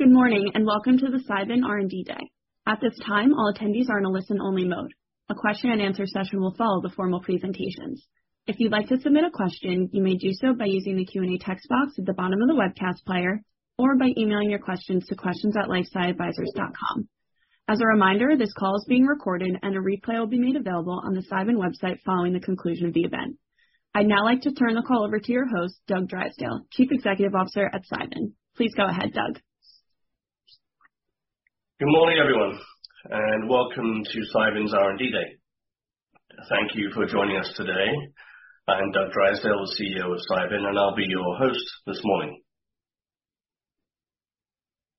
Good morning. Welcome to the Cybin R&D Day. At this time, all attendees are in a listen-only mode. A question-and-answer session will follow the formal presentations. If you'd like to submit a question, you may do so by using the Q&A text box at the bottom of the webcast player or by emailing your questions to questions@lifesciadvisors.com. As a reminder, this call is being recorded and a replay will be made available on the Cybin website following the conclusion of the event. I'd now like to turn the call over to your host, Doug Drysdale, Chief Executive Officer at Cybin. Please go ahead, Doug. Good morning, everyone, welcome to Cybin's R&D Day. Thank you for joining us today. I'm Doug Drysdale, the CEO of Cybin, and I'll be your host this morning.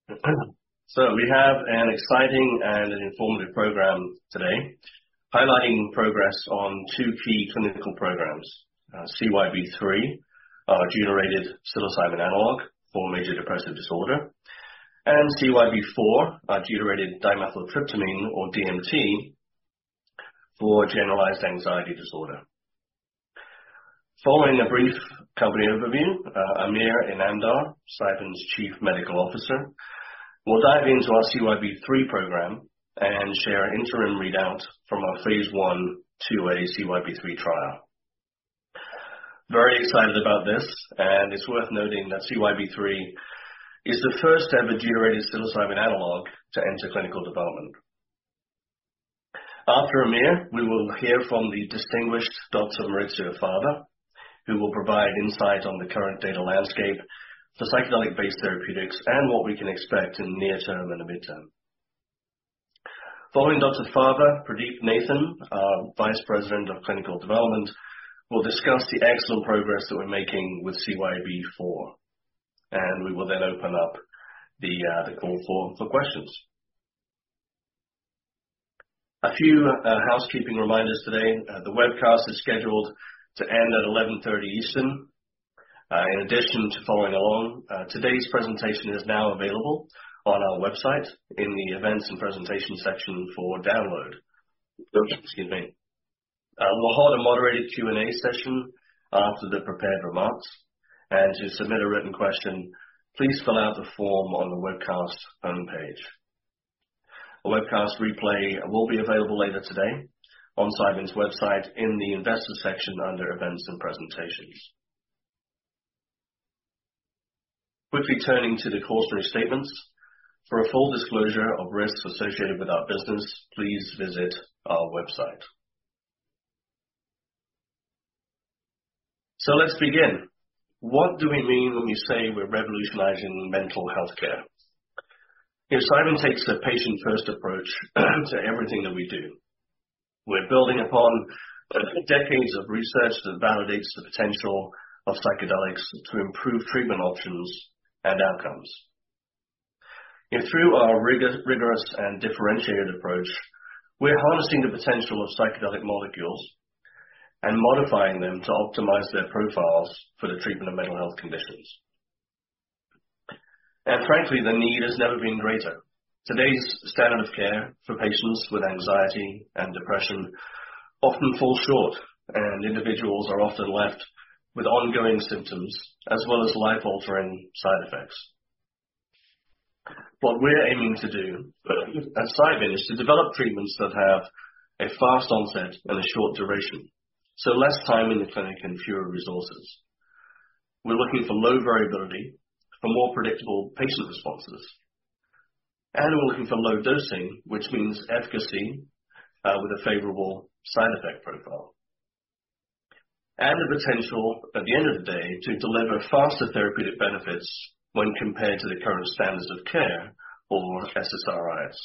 We have an exciting and informative program today highlighting progress on two key clinical programs. CYB003, our deuterated psilocybin analog for major depressive disorder, CYB004, our deuterated dimethyltryptamine or DMT for generalized anxiety disorder. Following a brief company overview, Amir Inamdar, Cybin's Chief Medical Officer, will dive into our CYB003 program and share interim readouts from our phase 1/2 CYB003 trial. Very excited about this, it's worth noting that CYB003 is the first-ever deuterated psilocybin analog to enter clinical development. After Amir, we will hear from the distinguished Dr. Maurizio Fava, who will provide insight on the current data landscape for psychedelic-based therapeutics and what we can expect in the near term and the mid-term. Following Dr. Fava, Pradeep Nathan, our Vice President of Clinical Development, will discuss the excellent progress that we're making with CYB004, and we will then open up the call for questions. A few housekeeping reminders today. The webcast is scheduled to end at 11:30 A.M. Eastern. In addition to following along, today's presentation is now available on our website in the events and presentations section for download. Excuse me. We'll hold a moderated Q&A session after the prepared remarks. To submit a written question, please fill out the form on the webcast homepage. A webcast replay will be available later today on Cybin's website in the investor section under events and presentations. Quickly turning to the cautionary statements. For a full disclosure of risks associated with our business, please visit our website. Let's begin. What do we mean when we say we're revolutionizing mental health care? You know, Cybin takes a patient-first approach to everything that we do. We're building upon decades of research that validates the potential of psychedelics to improve treatment options and outcomes. Through our rigorous and differentiated approach, we're harnessing the potential of psychedelic molecules and modifying them to optimize their profiles for the treatment of mental health conditions. Frankly, the need has never been greater. Today's standard of care for patients with anxiety and depression often falls short, and individuals are often left with ongoing symptoms as well as life-altering side effects. What we're aiming to do at Cybin is to develop treatments that have a fast onset and a short duration, so less time in the clinic and fewer resources. We're looking for low variability for more predictable patient responses, and we're looking for low dosing, which means efficacy with a favorable side effect profile. The potential, at the end of the day, to deliver faster therapeutic benefits when compared to the current standards of care or SSRIs.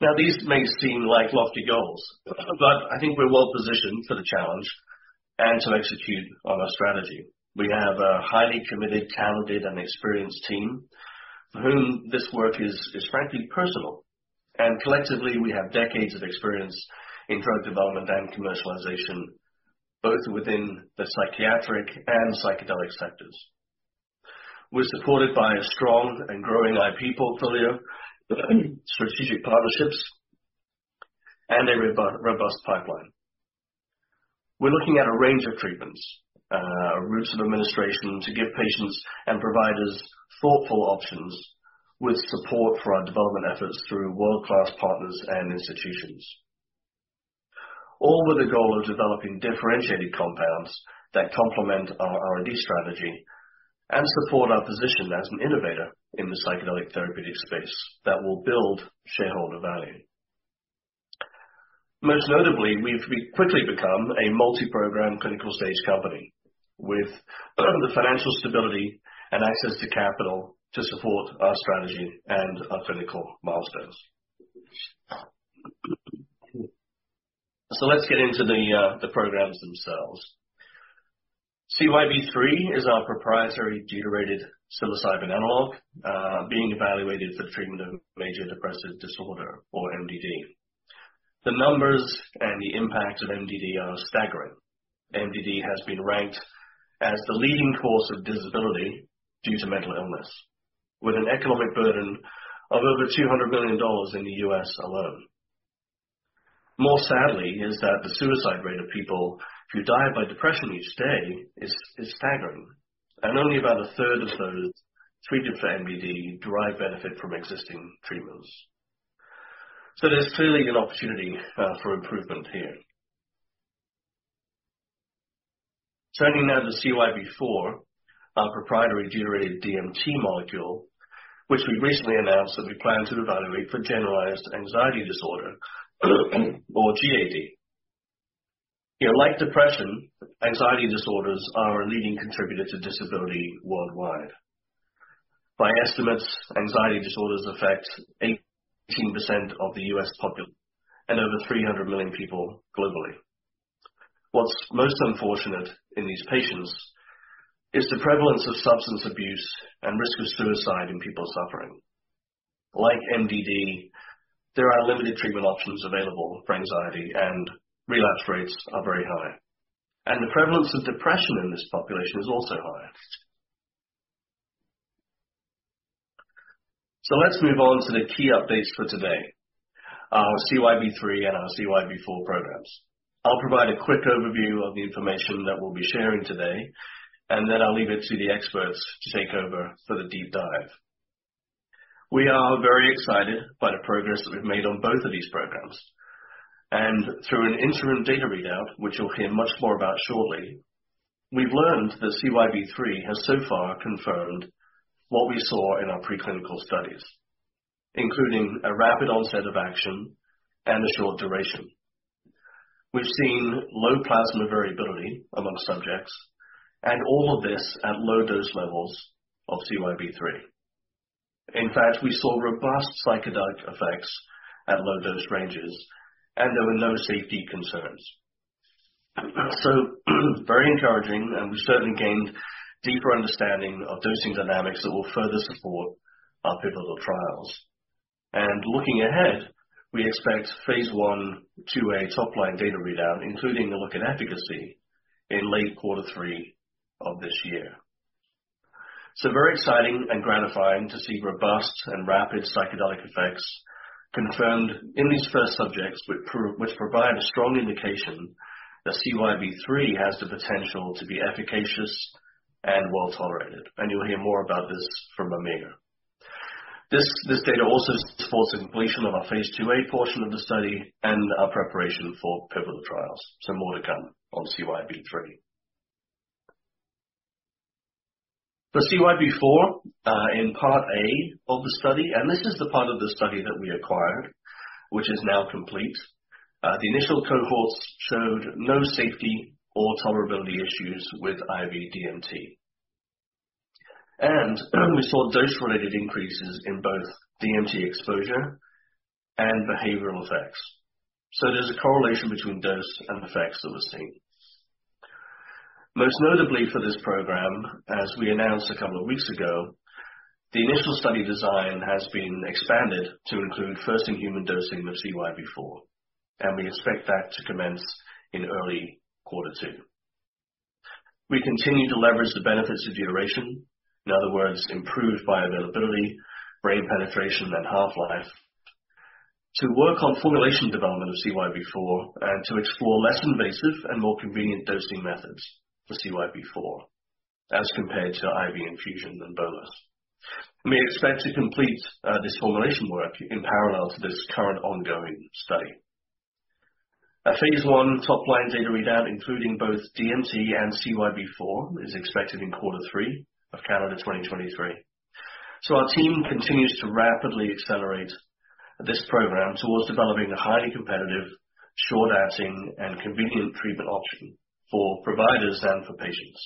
Now, these may seem like lofty goals, but I think we're well positioned for the challenge and to execute on our strategy. We have a highly committed, talented, and experienced team for whom this work is frankly personal. Collectively, we have decades of experience in drug development and commercialization, both within the psychiatric and psychedelic sectors. We're supported by a strong and growing IP portfolio, strategic partnerships, and a robust pipeline. We're looking at a range of treatments, routes of administration to give patients and providers thoughtful options with support for our development efforts through world-class partners and institutions. All with the goal of developing differentiated compounds that complement our R&D strategy and support our position as an innovator in the psychedelic therapeutic space that will build shareholder value. Most notably, we've quickly become a multi-program clinical-stage company with the financial stability and access to capital to support our strategy and our clinical milestones. Let's get into the programs themselves. CYB003 is our proprietary deuterated psilocybin analog being evaluated for treatment of major depressive disorder or MDD. The numbers and the impact of MDD are staggering. MDD has been ranked as the leading cause of disability due to mental illness, with an economic burden of over $200 billion in the U.S. alone. More sadly is that the suicide rate of people who die by depression each day is staggering. Only about a third of those treated for MDD derive benefit from existing treatments. There's clearly an opportunity for improvement here. Turning now to CYB004, our proprietary deuterated DMT molecule, which we recently announced that we plan to evaluate for generalized anxiety disorder or GAD. You know, like depression, anxiety disorders are a leading contributor to disability worldwide. By estimates, anxiety disorders affect 18% of the U.S. population and over 300 million people globally. What's most unfortunate in these patients is the prevalence of substance abuse and risk of suicide in people suffering. Like MDD, there are limited treatment options available for anxiety, and relapse rates are very high. The prevalence of depression in this population is also high. Let's move on to the key updates for today. Our CYB003 and our CYB004 programs. I'll provide a quick overview of the information that we'll be sharing today, and then I'll leave it to the experts to take over for the deep dive. We are very excited by the progress that we've made on both of these programs. Through an interim data readout, which you'll hear much more about shortly, we've learned that CYB003 has so far confirmed what we saw in our preclinical studies, including a rapid onset of action and a short duration. We've seen low plasma variability among subjects and all of this at low dose levels of CYB003. In fact, we saw robust psychedelic effects at low dose ranges, and there were no safety concerns. Very encouraging, and we certainly gained deeper understanding of dosing dynamics that will further support our pivotal trials. Looking ahead, we expect phase 1/2-A top line data readout, including a look in efficacy in late quarter three of this year. Very exciting and gratifying to see robust and rapid psychedelic effects confirmed in these first subjects, which provide a strong indication that CYB003 has the potential to be efficacious and well-tolerated. You'll hear more about this from Amir. This data also supports the completion of our phase II-A portion of the study and our preparation for pivotal trials. More to come on CYB003. For CYB004, in part A of the study, and this is the part of the study that we acquired, which is now complete. The initial cohorts showed no safety or tolerability issues with IV DMT. We saw dose-related increases in both DMT exposure and behavioral effects. There's a correlation between dose and effects that was seen. Most notably for this program, as we announced a couple of weeks ago, the initial study design has been expanded to include first in human dosing of CYB004, and we expect that to commence in early quarter two. We continue to leverage the benefits of duration. In other words, improved bioavailability, brain penetration and half-life to work on formulation development of CYB004 and to explore less invasive and more convenient dosing methods for CYB004 as compared to IV infusion than bolus. We expect to complete this formulation work in parallel to this current ongoing study. A phase I top line data readout, including both DMT and CYB004, is expected in quarter three of calendar 2023. Our team continues to rapidly accelerate this program towards developing a highly competitive, short-acting and convenient treatment option for providers and for patients.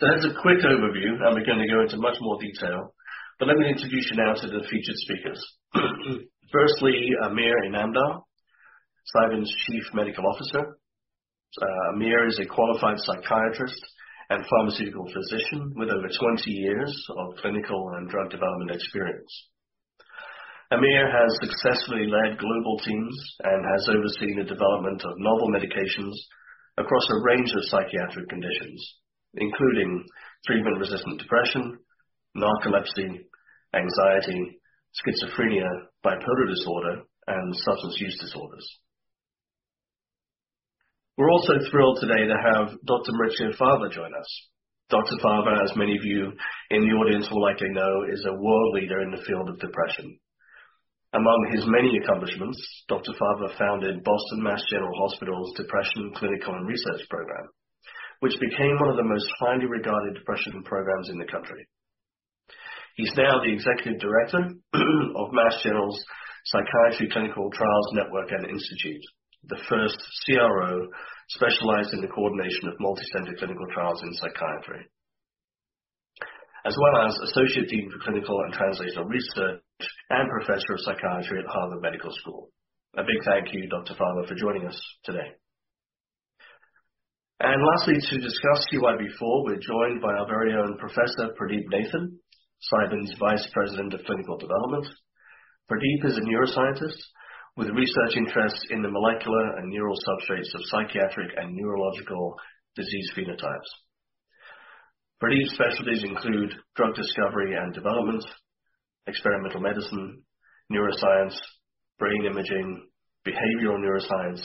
That's a quick overview, and we're going to go into much more detail, but let me introduce you now to the featured speakers. Firstly, Amir Inamdar, Cybin's Chief Medical Officer. Amir is a qualified psychiatrist and pharmaceutical physician with over 20 years of clinical and drug development experience. Amir has successfully led global teams and has overseen the development of novel medications across a range of psychiatric conditions, including treatment-resistant depression, narcolepsy, anxiety, schizophrenia, bipolar disorder, and substance use disorders. We're also thrilled today to have Dr. Maurizio Fava join us. Dr. Fava, as many of you in the audience will likely know, is a world leader in the field of depression. Among his many accomplishments, Dr. Fava founded Boston Massachusetts General Hospital's Depression Clinical and Research Program, which became one of the most highly regarded depression programs in the country. He's now the Executive Director of Massachusetts General Hospital's Psychiatry Clinical Trials Network & Institute, the first CRO specialized in the coordination of multicenter clinical trials in psychiatry. Associate Dean for Clinical and Translational Research and Professor of Psychiatry at Harvard Medical School. A big thank you, Dr. Fava, for joining us today. Lastly, to discuss CYB004, we're joined by our very own Professor Pradeep Nathan, Cybin's Vice President of Clinical Development. Pradeep is a neuroscientist with research interests in the molecular and neural substrates of psychiatric and neurological disease phenotypes. For these specialties include drug discovery and development, experimental medicine, neuroscience, brain imaging, behavioral neuroscience,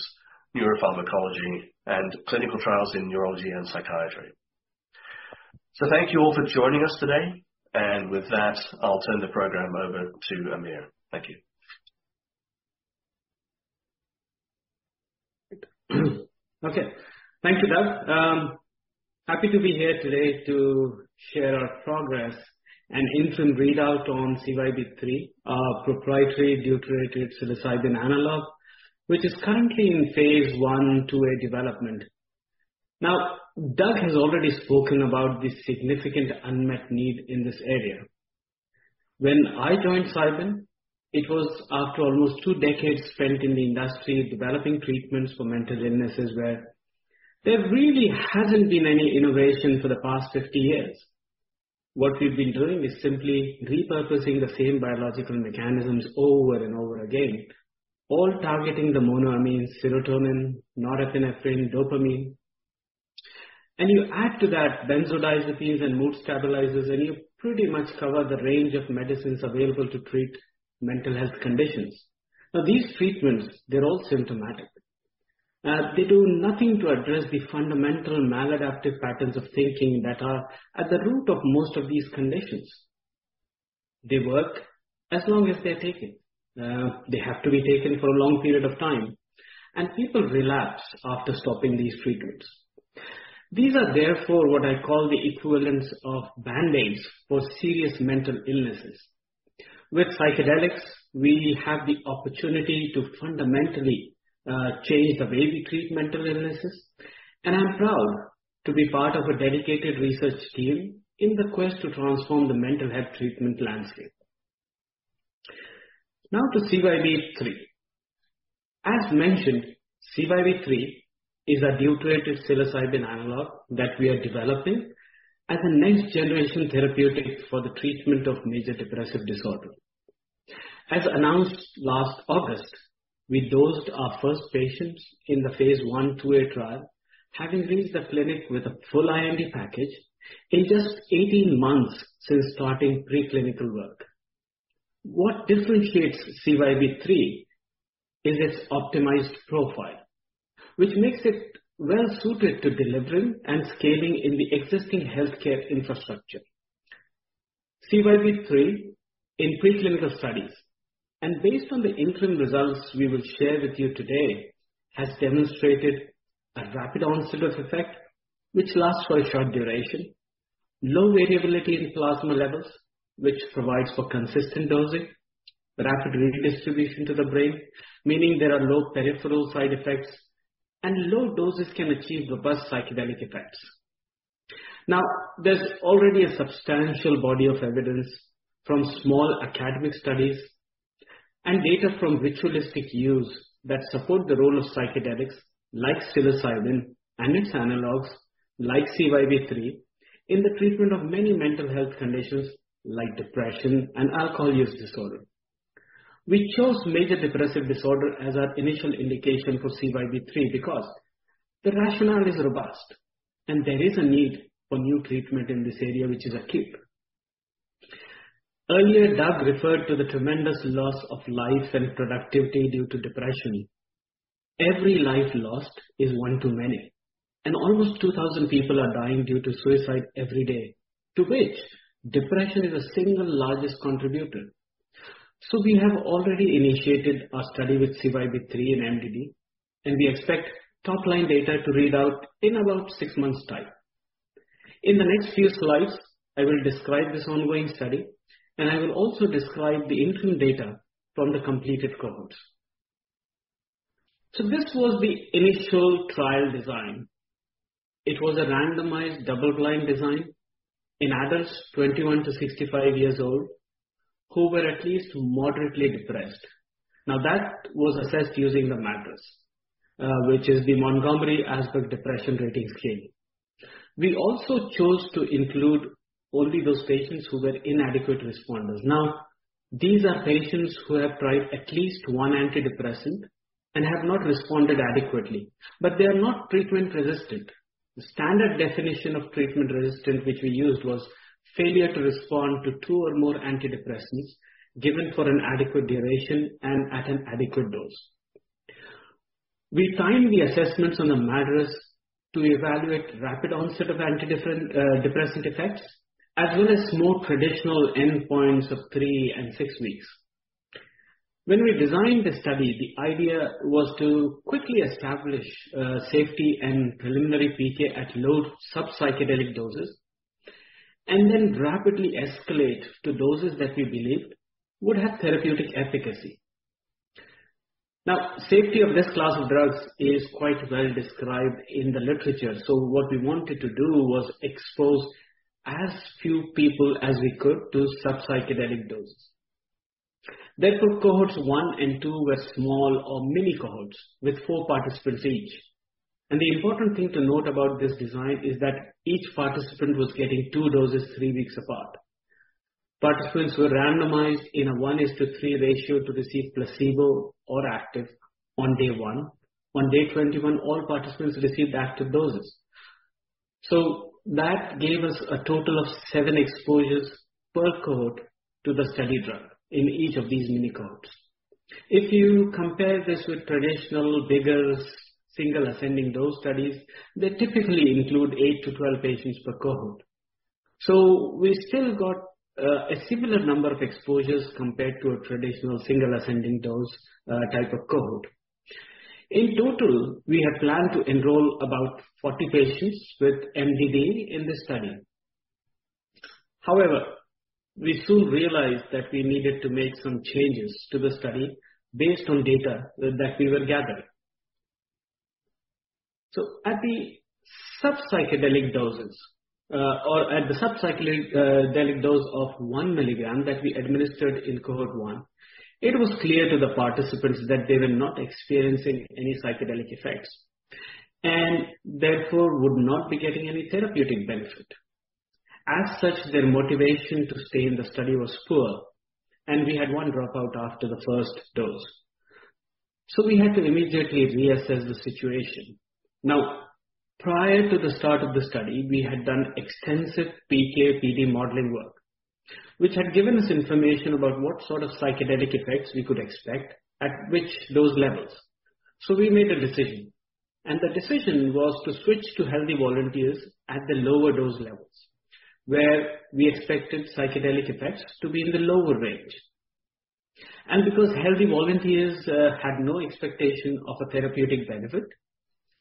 neuropharmacology, and clinical trials in neurology and psychiatry. Thank you all for joining us today. With that, I'll turn the program over to Amir. Thank you. Okay. Thank you, Doug. Happy to be here today to share our progress and interim readout on CYB003, our proprietary deuterated psilocybin analog, which is currently in phase 1/2-A development. Doug has already spoken about the significant unmet need in this area. When I joined Cybin, it was after almost 2 decades spent in the industry developing treatments for mental illnesses where there really hasn't been any innovation for the past 50 years. What we've been doing is simply repurposing the same biological mechanisms over and over again, all targeting the monoamines serotonin, norepinephrine, dopamine. You add to that benzodiazepines and mood stabilizers, and you pretty much cover the range of medicines available to treat mental health conditions. These treatments, they're all symptomatic. They do nothing to address the fundamental maladaptive patterns of thinking that are at the root of most of these conditions. They work as long as they're taken. They have to be taken for a long period of time, and people relapse after stopping these treatments. These are therefore what I call the equivalence of band-aids for serious mental illnesses. With psychedelics, we have the opportunity to fundamentally change the way we treat mental illnesses. I'm proud to be part of a dedicated research team in the quest to transform the mental health treatment landscape. Now to CYB003. As mentioned, CYB003 is a deuterated psilocybin analog that we are developing as a next generation therapeutic for the treatment of major depressive disorder. As announced last August, we dosed our first patients in the phase 1/2-A trial, having reached the clinic with a full IND package in just 18 months since starting preclinical work. What differentiates CYB003 is its optimized profile, which makes it well-suited to delivering and scaling in the existing healthcare infrastructure. CYB003 in preclinical studies, and based on the interim results we will share with you today, has demonstrated a rapid onset of effect which lasts for a short duration, low variability in plasma levels, which provides for consistent dosing, rapid redistribution to the brain, meaning there are low peripheral side effects, and low doses can achieve robust psychedelic effects. There's already a substantial body of evidence from small academic studies and data from ritualistic use that support the role of psychedelics like psilocybin and its analogs like CYB003 in the treatment of many mental health conditions like depression and alcohol use disorder. We chose major depressive disorder as our initial indication for CYB003 because the rationale is robust, and there is a need for new treatment in this area, which is acute. Earlier, Doug referred to the tremendous loss of life and productivity due to depression. Every life lost is one too many, and almost 2,000 people are dying due to suicide every day. To which depression is the single largest contributor. We have already initiated a study with CYB003 and MDD, and we expect top-line data to read out in about six months' time. In the next few slides, I will describe this ongoing study, and I will also describe the interim data from the completed cohorts. This was the initial trial design. It was a randomized double-blind design in adults 21-65 years old who were at least moderately depressed. Now that was assessed using the MADRS, which is the Montgomery-Åsberg Depression Rating Scale. We also chose to include only those patients who were inadequate responders. Now, these are patients who have tried at least 1 antidepressant and have not responded adequately, but they are not treatment resistant. The standard definition of treatment resistant, which we used, was failure to respond to two or more antidepressants given for an adequate duration and at an adequate dose. We timed the assessments on the MADRS to evaluate rapid onset of antidepressant effects as well as more traditional endpoints of three and six weeks. When we designed the study, the idea was to quickly establish safety and preliminary PK at low sub-psychedelic doses, and then rapidly escalate to doses that we believed would have therapeutic efficacy. Now, safety of this class of drugs is quite well described in the literature. What we wanted to do was expose as few people as we could to sub-psychedelic doses. Therefore, cohorts one and two were small or mini cohorts with four participants each. The important thing to note about this design is that each participant was getting two doses three weeks apart. Participants were randomized in a one is to three ratio to receive placebo or active on day one. On day 21, all participants received active doses. That gave us a total of seven exposures per cohort to the study drug in each of these mini cohorts. If you compare this with traditional Biggles single ascending dose studies, they typically include 8-12 patients per cohort. We still got a similar number of exposures compared to a traditional single ascending dose type of cohort. In total, we have planned to enroll about 40 patients with MDD in this study. However, we soon realized that we needed to make some changes to the study based on data that we were gathering. At the sub-psychedelic doses, or at the sub-psychedelic dose of 1 mg that we administered in cohort one, it was clear to the participants that they were not experiencing any psychedelic effects and therefore would not be getting any therapeutic benefit. As such, their motivation to stay in the study was poor, and we had one dropout after the first dose. We had to immediately reassess the situation. Now, prior to the start of the study, we had done extensive PK/PD modeling work, which had given us information about what sort of psychedelic effects we could expect at which dose levels. We made a decision, and the decision was to switch to healthy volunteers at the lower dose levels, where we expected psychedelic effects to be in the lower range. Because healthy volunteers had no expectation of a therapeutic benefit,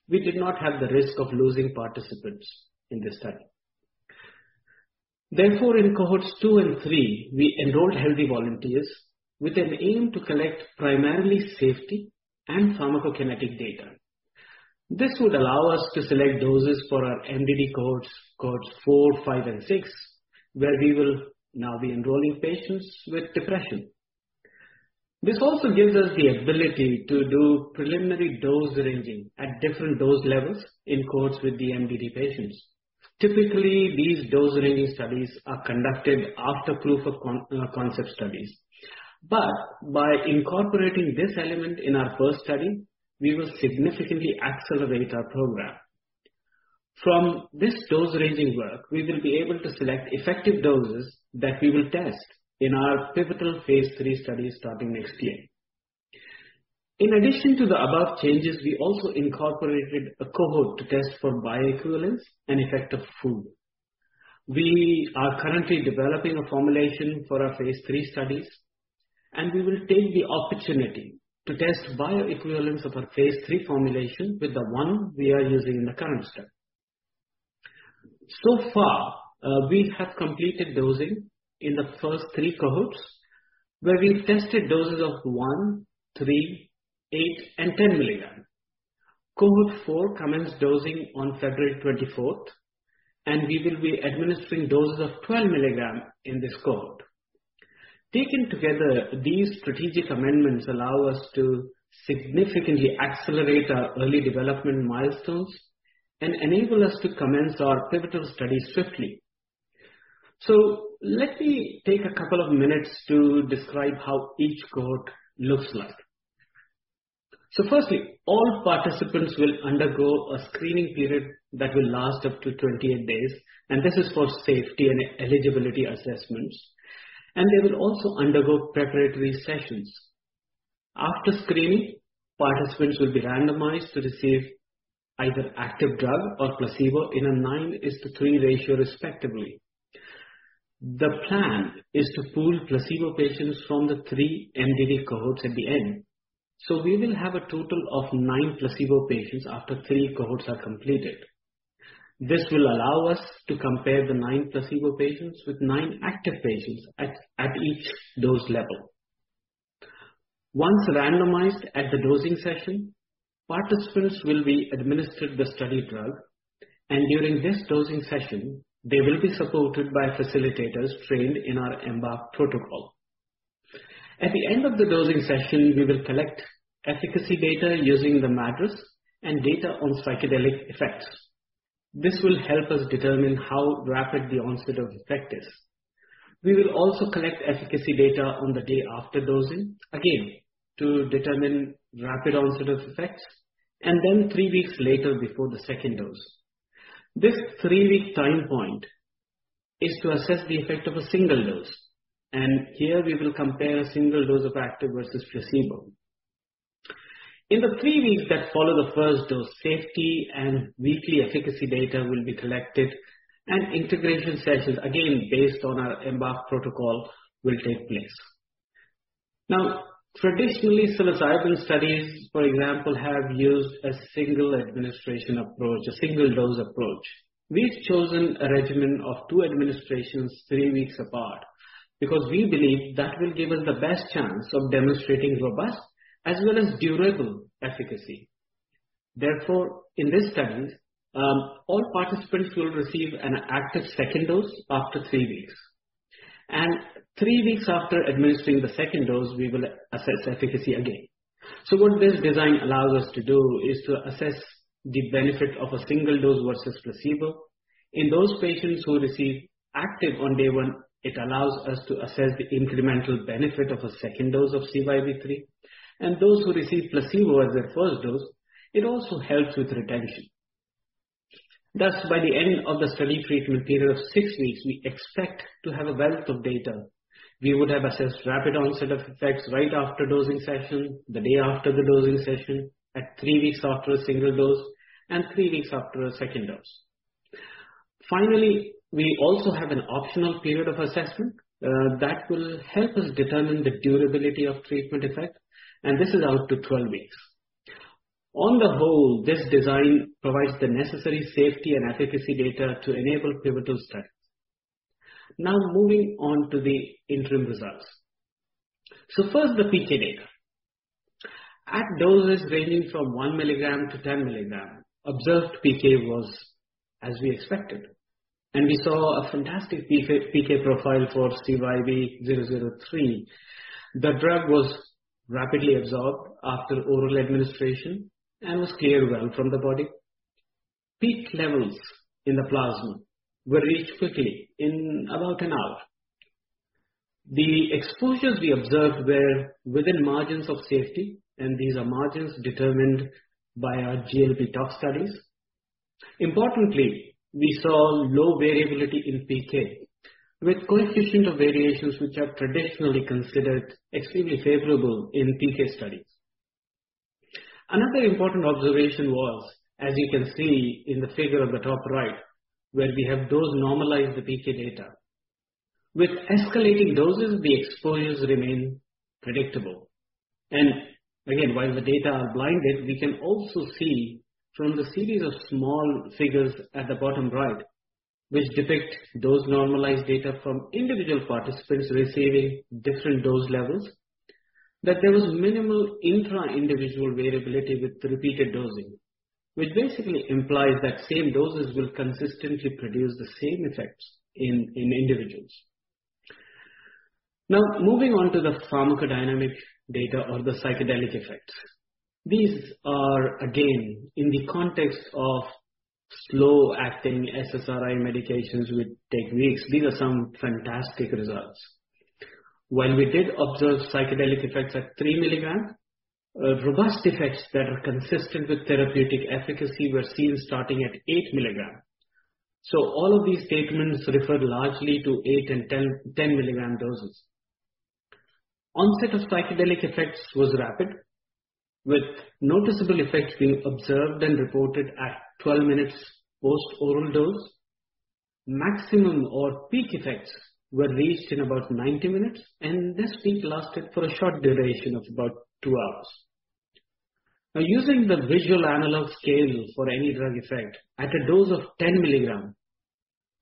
we did not have the risk of losing participants in the study. Therefore, in cohorts two and three, we enrolled healthy volunteers with an aim to collect primarily safety and pharmacokinetic data. This would allow us to select doses for our MDD cohorts four, five, and six, where we will now be enrolling patients with depression. This also gives us the ability to do preliminary dose ranging at different dose levels in cohorts with the MDD patients. Typically, these dose ranging studies are conducted after proof of concept studies. By incorporating this element in our first study, we will significantly accelerate our program. From this dose ranging work, we will be able to select effective doses that we will test in our pivotal phase III study starting next year. In addition to the above changes, we also incorporated a cohort to test for bioequivalence and effect of food. We are currently developing a formulation for our phase III studies, and we will take the opportunity to test bioequivalence of our phase III formulation with the one we are using in the current study. So far, we have completed dosing in the first three cohorts, where we tested doses of 1 mg, 3 mg, 8 mg, and 10 mg. Cohort four commenced dosing on February 24th, and we will be administering doses of 12 mg in this cohort. Taken together, these strategic amendments allow us to significantly accelerate our early development milestones and enable us to commence our pivotal study swiftly. Let me take a couple of minutes to describe how each cohort looks like. Firstly, all participants will undergo a screening period that will last up to 28 days, and this is for safety and eligibility assessments. They will also undergo preparatory sessions. After screening, participants will be randomized to receive either active drug or placebo in a 9:3 ratio respectively. The plan is to pool placebo patients from the three MDD cohorts at the end. We will have a total of nine placebo patients after three cohorts are completed. This will allow us to compare the nine placebo patients with nine active patients at each dose level. Once randomized at the dosing session, participants will be administered the study drug. During this dosing session, they will be supported by facilitators trained in our EMBARK protocol. At the end of the dosing session, we will collect efficacy data using the MADRS and data on psychedelic effects. This will help us determine how rapid the onset of effect is. We will also collect efficacy data on the day after dosing, again, to determine rapid onset of effects and then three weeks later before the second dose. This three-week time point is to assess the effect of a single dose, and here we will compare a single dose of active versus placebo. In the three weeks that follow the first dose, safety and weekly efficacy data will be collected, and integration sessions, again, based on our EMBARK protocol, will take place. Traditionally, psilocybin studies, for example, have used a single administration approach, a single dose approach. We've chosen a regimen of two administrations three weeks apart because we believe that will give us the best chance of demonstrating robust as well as durable efficacy. In this study, all participants will receive an active second dose after three weeks. Three weeks after administering the second dose, we will assess efficacy again. What this design allows us to do is to assess the benefit of a single dose versus placebo. In those patients who receive active on day one, it allows us to assess the incremental benefit of a second dose of CYB003. Those who receive placebo as their first dose, it also helps with retention. Thus, by the end of the study treatment period of six weeks, we expect to have a wealth of data. We would have assessed rapid onset of effects right after dosing session, the day after the dosing session, at three weeks after a single dose, and three weeks after a second dose. Finally, we also have an optional period of assessment that will help us determine the durability of treatment effect, and this is out to 12 weeks. On the whole, this design provides the necessary safety and efficacy data to enable pivotal studies. Now, moving on to the interim results. First, the PK data. At doses ranging from 1 mg-10 mg, observed PK was as we expected. We saw a fantastic PK profile for CYB003. The drug was rapidly absorbed after oral administration and was cleared well from the body. Peak levels in the plasma were reached quickly in about an hour. The exposures we observed were within margins of safety, and these are margins determined by our GLP tox studies. Importantly, we saw low variability in PK with coefficient of variations which are traditionally considered extremely favorable in PK studies. Another important observation was, as you can see in the figure on the top right, where we have dose normalized the PK data. With escalating doses, the exposures remain predictable. Again, while the data are blinded, we can also see from the series of small figures at the bottom right, which depict dose normalized data from individual participants receiving different dose levels, that there was minimal intra-individual variability with repeated dosing. Basically implies that same doses will consistently produce the same effects in individuals. Moving on to the pharmacodynamic data or the psychedelic effects. These are again, in the context of slow-acting SSRI medications which take weeks. These are some fantastic results. While we did observe psychedelic effects at 3 mg, robust effects that are consistent with therapeutic efficacy were seen starting at 8 mg. All of these statements refer largely to 8 mg and 10 mg doses. Onset of psychedelic effects was rapid, with noticeable effects being observed and reported at 12 minutes post oral dose. Maximum or peak effects were reached in about 90 minutes, and this peak lasted for a short duration of about two hours. Using the Visual Analog Scale for any drug effect at a dose of 10 mg,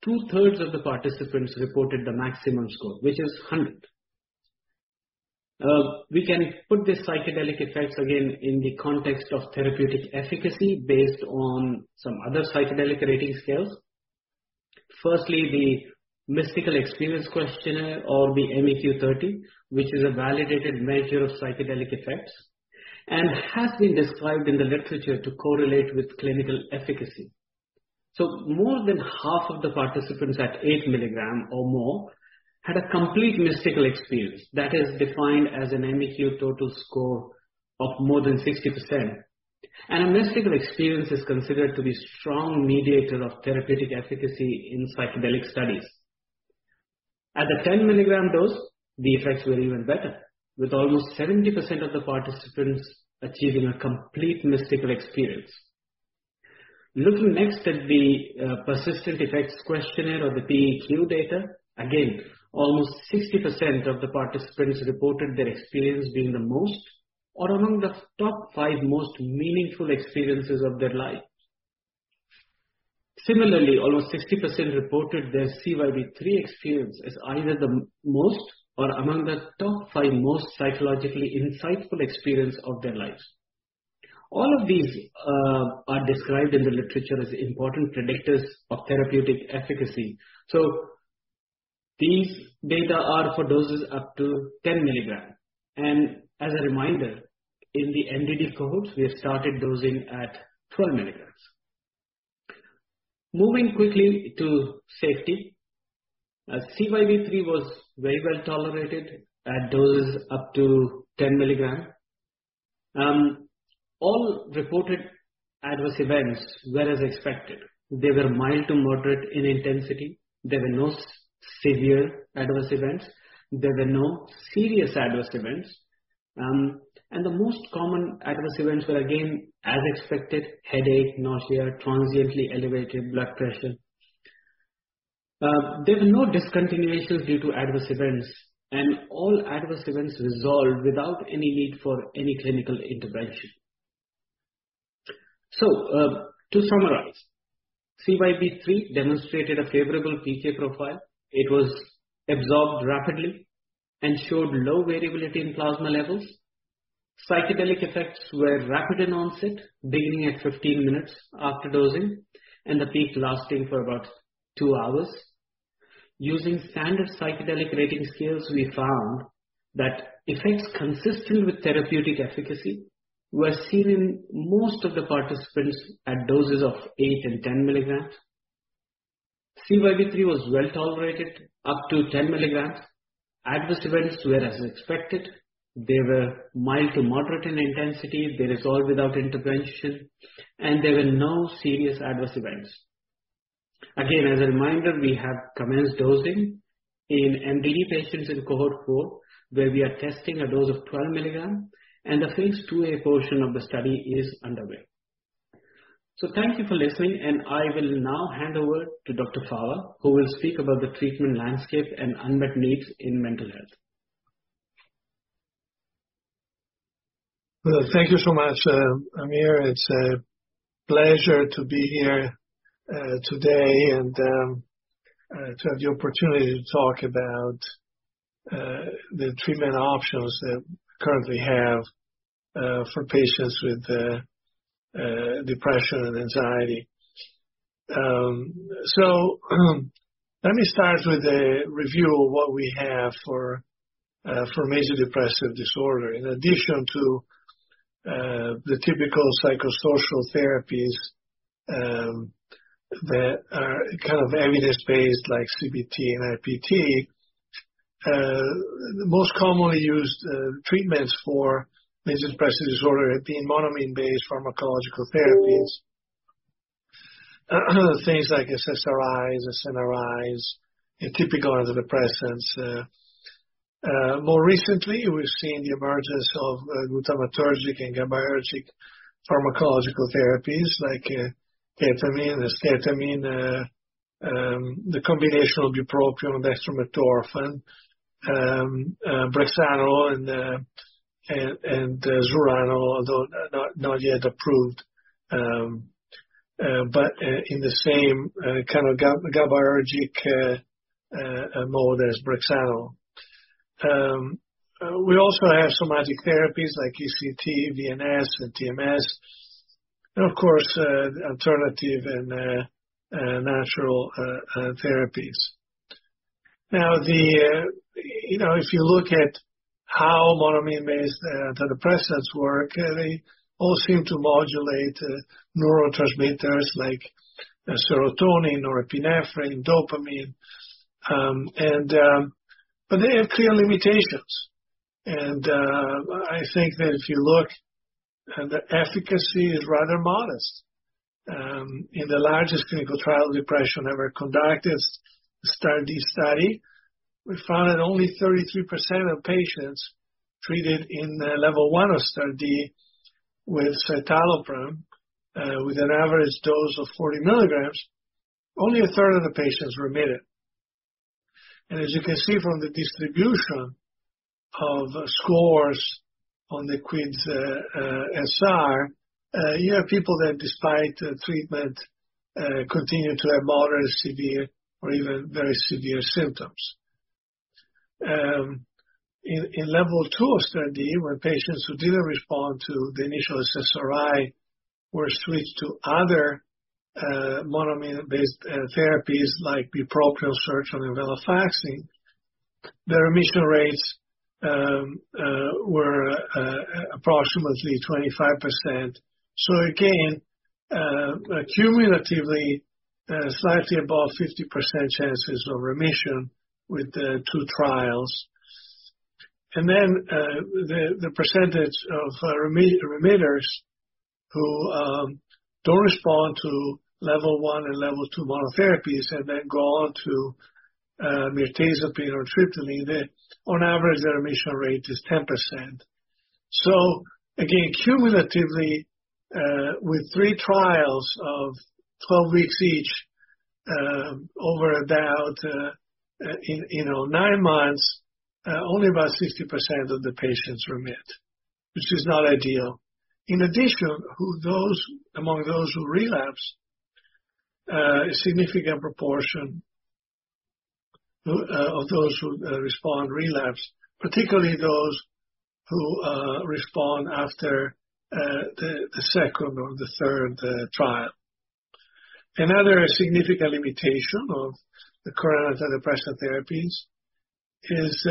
two-thirds of the participants reported the maximum score, which is 100. We can put these psychedelic effects again in the context of therapeutic efficacy based on some other psychedelic rating scales. The Mystical Experience Questionnaire or the MEQ30, which is a validated measure of psychedelic effects and has been described in the literature to correlate with clinical efficacy. More than half of the participants at 8 mg or more had a complete mystical experience. That is defined as an MEQ total score of more than 60%. A mystical experience is considered to be strong mediator of therapeutic efficacy in psychedelic studies. At the 10 mg dose, the effects were even better, with almost 70% of the participants achieving a complete mystical experience. Looking next at the Persisting Effects Questionnaire or the PEQ data, again, almost 60% of the participants reported their experience being the most or among the top five most meaningful experiences of their lives. Similarly, almost 60% reported their CYB003 experience as either the most or among the top five most psychologically insightful experience of their lives. All of these are described in the literature as important predictors of therapeutic efficacy. These data are for doses up to 10 mg. As a reminder, in the MDD cohorts, we have started dosing at 12 mg. Moving quickly to safety. CYB003 was very well tolerated at doses up to 10 mg. All reported adverse events were as expected. They were mild to moderate in intensity. There were no severe adverse events. There were no serious adverse events. The most common adverse events were, again, as expected, headache, nausea, transiently elevated blood pressure. There were no discontinuations due to adverse events, all adverse events resolved without any need for any clinical intervention. To summarize, CYB003 demonstrated a favorable PK profile. It was absorbed rapidly and showed low variability in plasma levels. Psychedelic effects were rapid in onset, beginning at 15 minutes after dosing, and the peak lasting for about two hours. Using standard psychedelic rating scales, we found that effects consistent with therapeutic efficacy were seen in most of the participants at doses of 8 mg and 10 mg. CYB003 was well-tolerated up to 10 mg. Adverse events were as expected. They were mild to moderate in intensity. They resolved without intervention, and there were no serious adverse events. Again, as a reminder, we have commenced dosing in MDD patients in cohort four, where we are testing a dose of 12 mg, the phase II-A portion of the study is underway. Thank you for listening, and I will now hand over to Dr. Fava, who will speak about the treatment landscape and unmet needs in mental health. Well, thank you so much, Amir. It's a pleasure to be here today and to have the opportunity to talk about the treatment options that we currently have for patients with depression and anxiety. Let me start with a review of what we have for major depressive disorder. In addition to the typical psychosocial therapies that are kind of evidence-based, like CBT and IPT. The most commonly used treatments for major depressive disorder have been monoamine-based pharmacological therapies, things like SSRIs, SNRIs, and typical antidepressants. More recently, we're seeing the emergence of glutamatergic and gabaergic pharmacological therapies like ketamine, esketamine, the combination of bupropion and dextromethorphan, brexanolone and zuranolone, although not yet approved, but in the same kind of gabaergic mode as brexanolone. We also have somatic therapies like ECT, VNS, and TMS, and of course, alternative and natural therapies. Now, you know, if you look at how monoamine-based antidepressants work, they all seem to modulate neurotransmitters like serotonin, norepinephrine, dopamine, but they have clear limitations. I think that if you look and the efficacy is rather modest. In the largest clinical trial of depression ever conducted, the STAR*D study, we found that only 33% of patients treated in level 1 of STAR*D with citalopram, with an average dose of 40 mg, only a third of the patients remitted. As you can see from the distribution of scores on the QIDS-SR, you have people that despite treatment, continue to have moderate, severe, or even very severe symptoms. In level two of STAR*D, when patients who didn't respond to the initial SSRI were switched to other monoamine-based therapies like bupropion, sertraline, venlafaxine, their remission rates were approximately 25%. Again, cumulatively, slightly above 50% chances of remission with the two trials. The percentage of remitters who don't respond to level one and level two monotherapies and then go on to mirtazapine or trazodone, on average, their remission rate is 10%. Again, cumulatively, with three trials of 12 weeks each, over about nine months, only about 60% of the patients remit, which is not ideal. In addition, among those who relapse, a significant proportion of those who respond, relapse, particularly those who respond after the second or third trial. Another significant limitation of the current antidepressant therapies is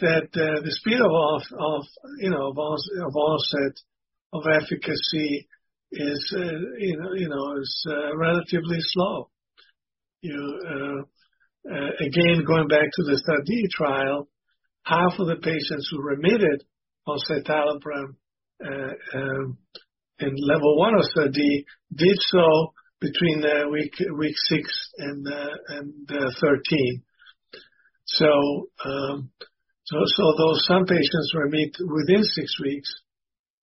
that the speed of onset of efficacy is relatively slow. You again, going back to the STAR*D trial, half of the patients who remitted on citalopram in level one of STAR*D did so between week six and 13. Though some patients remit within six weeks,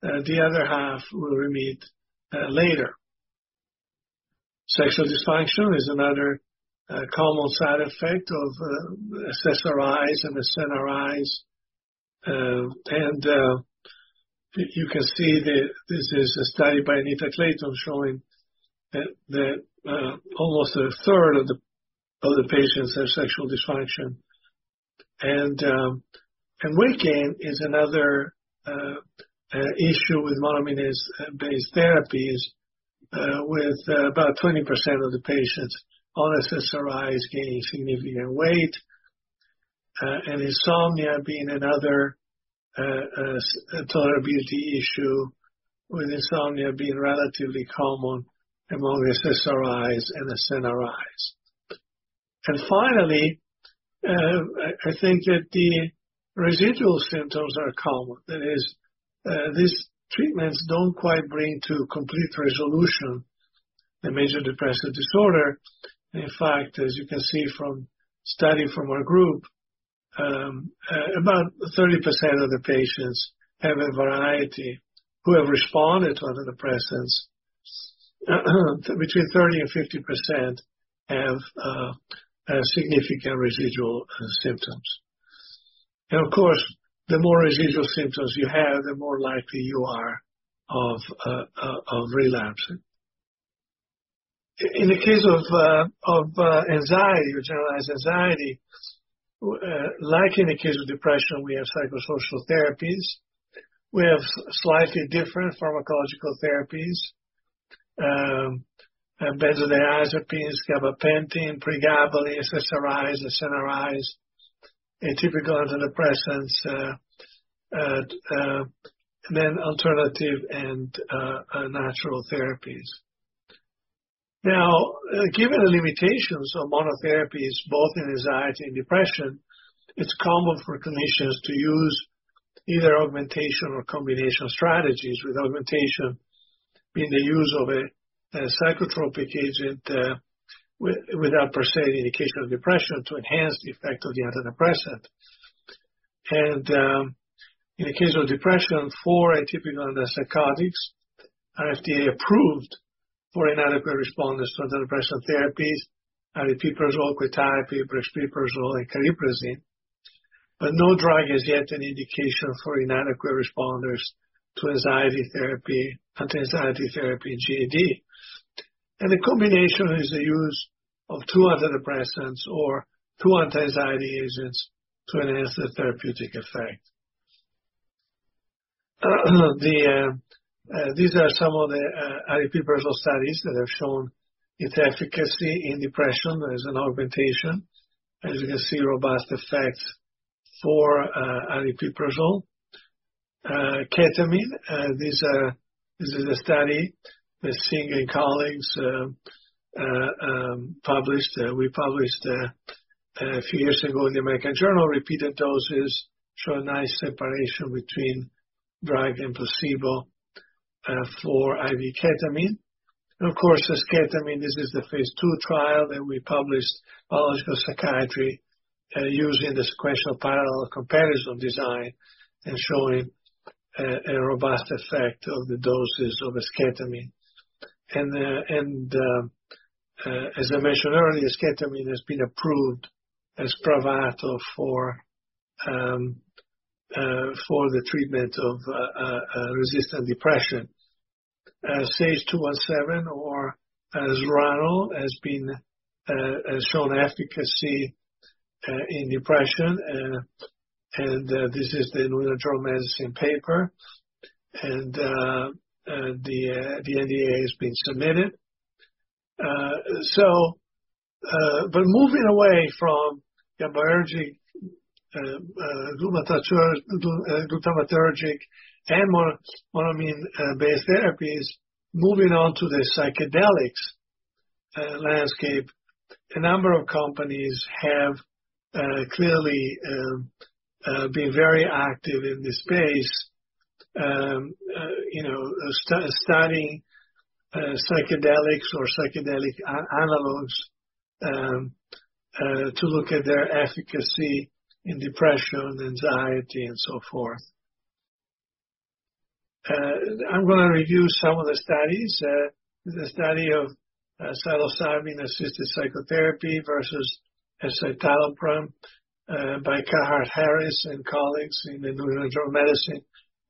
the other half will remit later. Sexual dysfunction is another common side effect of SSRIs and SNRIs. You can see this is a study by Anita Clayton showing that almost a third of the patients have sexual dysfunction. Weight gain is another issue with monoamine-based therapies with about 20% of the patients on SSRIs gaining significant weight. Insomnia being another tolerability issue, with insomnia being relatively common among SSRIs and SNRIs. Finally, I think that the residual symptoms are common. That is, these treatments don't quite bring to complete resolution the major depressive disorder. In fact, as you can see from study from our group, about 30% of the patients have a variety who have responded to antidepressants. Between 30% and 50% have significant residual symptoms. Of course, the more residual symptoms you have, the more likely you are of relapsing. In the case of anxiety or generalized anxiety, like in the case of depression, we have psychosocial therapies. We have slightly different pharmacological therapies. Benzodiazepines, gabapentin, pregabalin, SSRIs, SNRIs, atypical antidepressants, and then alternative and natural therapies. Given the limitations of monotherapies both in anxiety and depression, it's common for clinicians to use either augmentation or combination strategies with augmentation being the use of a psychotropic agent without per se indication of depression to enhance the effect of the antidepressant. In the case of depression, four atypical antipsychotics are FDA-approved for inadequate responders to antidepressant therapies, aripiprazole, quetiapine, brexpiprazole, and cariprazine. No drug has yet an indication for inadequate responders to antianxiety therapy in GAD. The combination is the use of two antidepressants or two antianxiety agents to enhance the therapeutic effect. These are some of the aripiprazole studies that have shown its efficacy in depression as an augmentation. As you can see, robust effect for aripiprazole. Ketamine, this is a study that Singh and colleagues published. We published a few years ago in The American Journal of Psychiatry. Repeated doses show a nice separation between drug and placebo for IV ketamine. Of course, esketamine, this is the phase II trial that we published Biological Psychiatry, using the sequential parallel comparison design and showing a robust effect of the doses of esketamine. As I mentioned earlier, esketamine has been approved as Spravato for the treatment of resistant depression. SAGE-217 or zuranolone has been shown efficacy in depression. This is The New England Journal of Medicine paper. The NDA has been submitted. Moving away from the biology, glutamatergic and monoamine-based therapies, moving on to the psychedelics landscape. A number of companies have clearly been very active in this space. You know, studying psychedelics or psychedelic analogs to look at their efficacy in depression, anxiety, and so forth. I'm gonna review some of the studies. The study of psilocybin-assisted psychotherapy versus escitalopram by Carhart-Harris and colleagues in The New England Journal of Medicine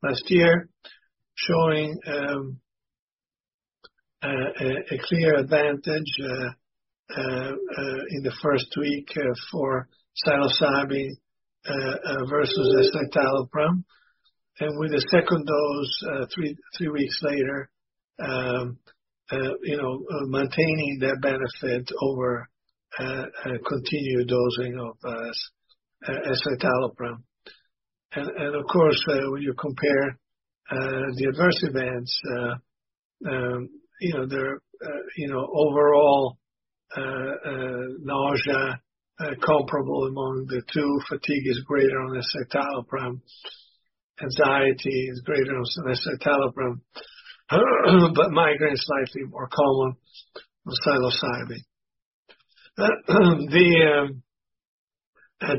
last year, showing a clear advantage in the first week for psilocybin versus escitalopram. With the second dose, three weeks later, you know, maintaining their benefit over continued dosing of escitalopram. Of course, when you compare the adverse events, you know, they're, you know, overall, nausea comparable among the two. Fatigue is greater on escitalopram. Anxiety is greater on escitalopram. Migraine is slightly more common on psilocybin. The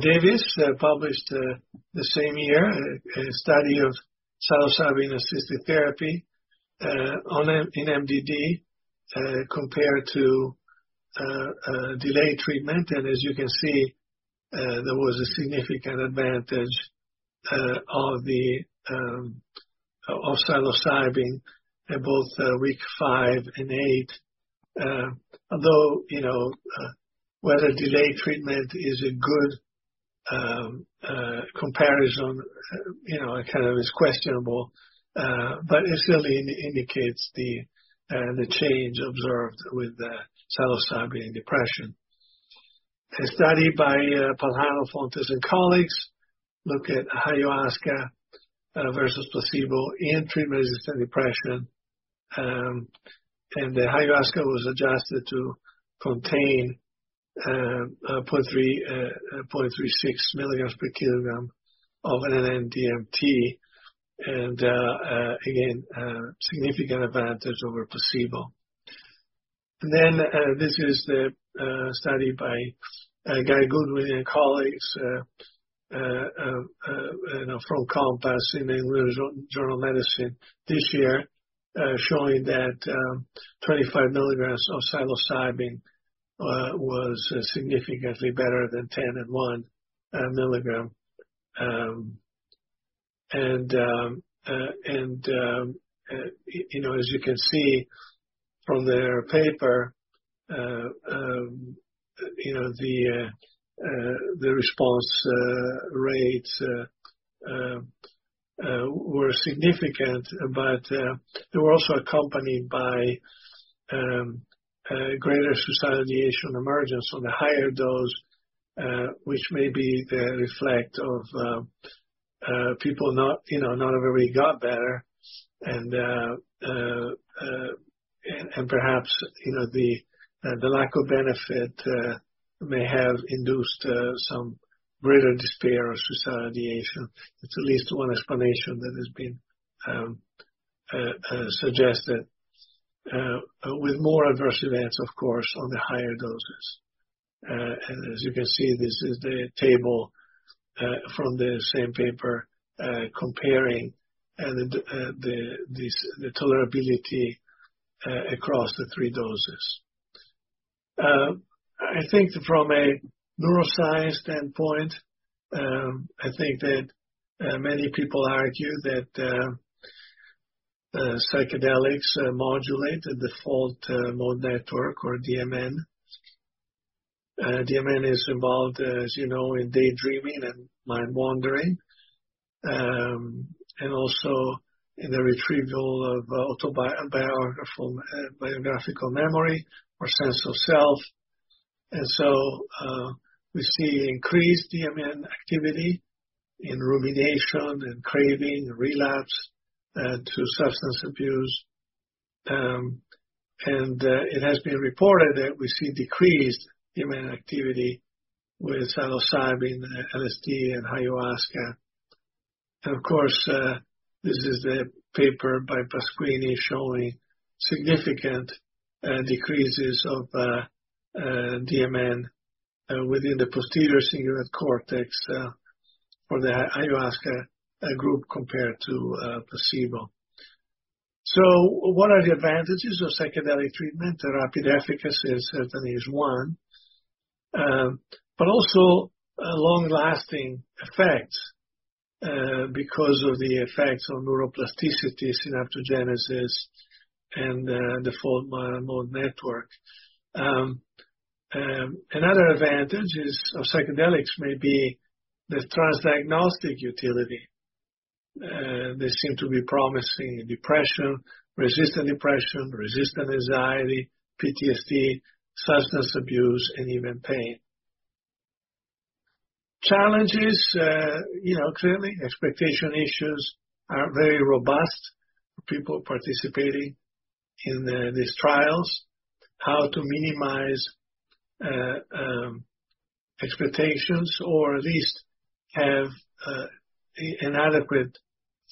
Davis published the same year a study of psilocybin-assisted therapy in MDD compared to delayed treatment. As you can see, there was a significant advantage of psilocybin at both week five and eight. Although, you know, whether delayed treatment is a good comparison, you know, kind of is questionable, but it still indicates the change observed with the psilocybin depression. A study by Palhano-Fontes, and colleagues look at ayahuasca versus placebo in treatment-resistant depression. The ayahuasca was adjusted to contain 0.3, 0.36 mg/kg of an N,N-DMT. Again, significant advantage over placebo. This is the study by Guy Goodwin and colleagues, you know, from Compass in The New England Journal of Medicine this year, showing that 25 mg of psilocybin was significantly better than 10 mg and 1 mg. As you can see from their paper, you know, the response rates were significant, but they were also accompanied by greater suicidality on emergence on the higher dose, which may be the reflect of people not, you know, not everybody got better. Perhaps, you know, the lack of benefit may have induced some greater despair or suicidality. That's at least one explanation that has been suggested with more adverse events, of course, on the higher doses. As you can see, this is the table from the same paper comparing the tolerability across the three doses. I think from a neuroscience standpoint, I think that many people argue that psychedelics modulate the default mode network or DMN. DMN is involved, as you know, in daydreaming and mind-wandering, and also in the retrieval of autobiographical memory or sense of self. So, we see increased DMN activity in rumination, in craving, relapse to substance abuse, and it has been reported that we see decreased DMN activity with psilocybin, LSD, and ayahuasca. Of course, this is the paper by Pasquini showing significant decreases of DMN within the posterior cingulate cortex for the ayahuasca group compared to placebo. What are the advantages of psychedelic treatment? Rapid efficacy certainly is one. Also, long-lasting effects because of the effects on neuroplasticity, synaptogenesis, and the default mode network. Another advantage of psychedelics may be the transdiagnostic utility. They seem to be promising in depression, resistant depression, resistant anxiety, PTSD, substance abuse, and even pain. Challenges, you know, clearly expectation issues are very robust for people participating in these trials.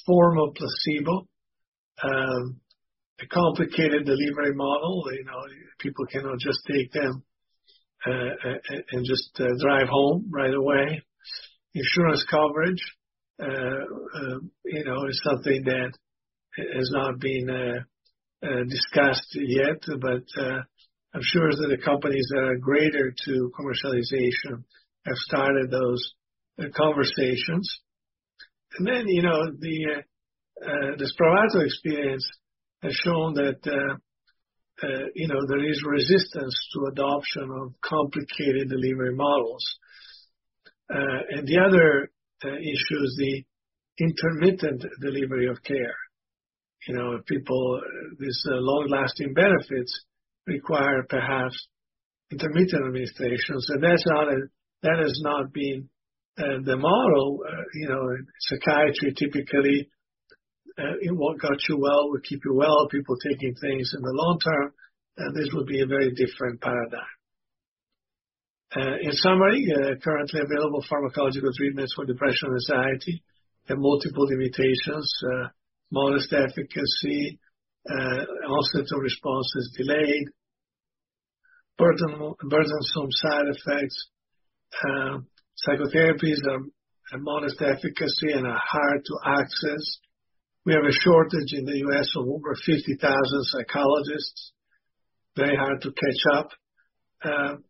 How to minimize expectations or at least have an adequate form of placebo. A complicated delivery model, you know, people cannot just take them and just drive home right away. Insurance coverage, you know, is something that has not been discussed yet, but I'm sure that the companies that are greater to commercialization have started those conversations. You know, the Spravato experience has shown that, you know, there is resistance to adoption of complicated delivery models. The other issue is the intermittent delivery of care. You know, people, these long-lasting benefits require perhaps intermittent administrations, and that's not a that has not been the model. You know, in psychiatry, typically, it won't got you well, we keep you well, people taking things in the long term, and this would be a very different paradigm. In summary, currently available pharmacological treatments for depression, anxiety, have multiple limitations, modest efficacy, onset of response is delayed, burdensome side effects. Psychotherapies have modest efficacy and are hard to access. We have a shortage in the U.S. of over 50,000 psychologists. Very hard to catch up.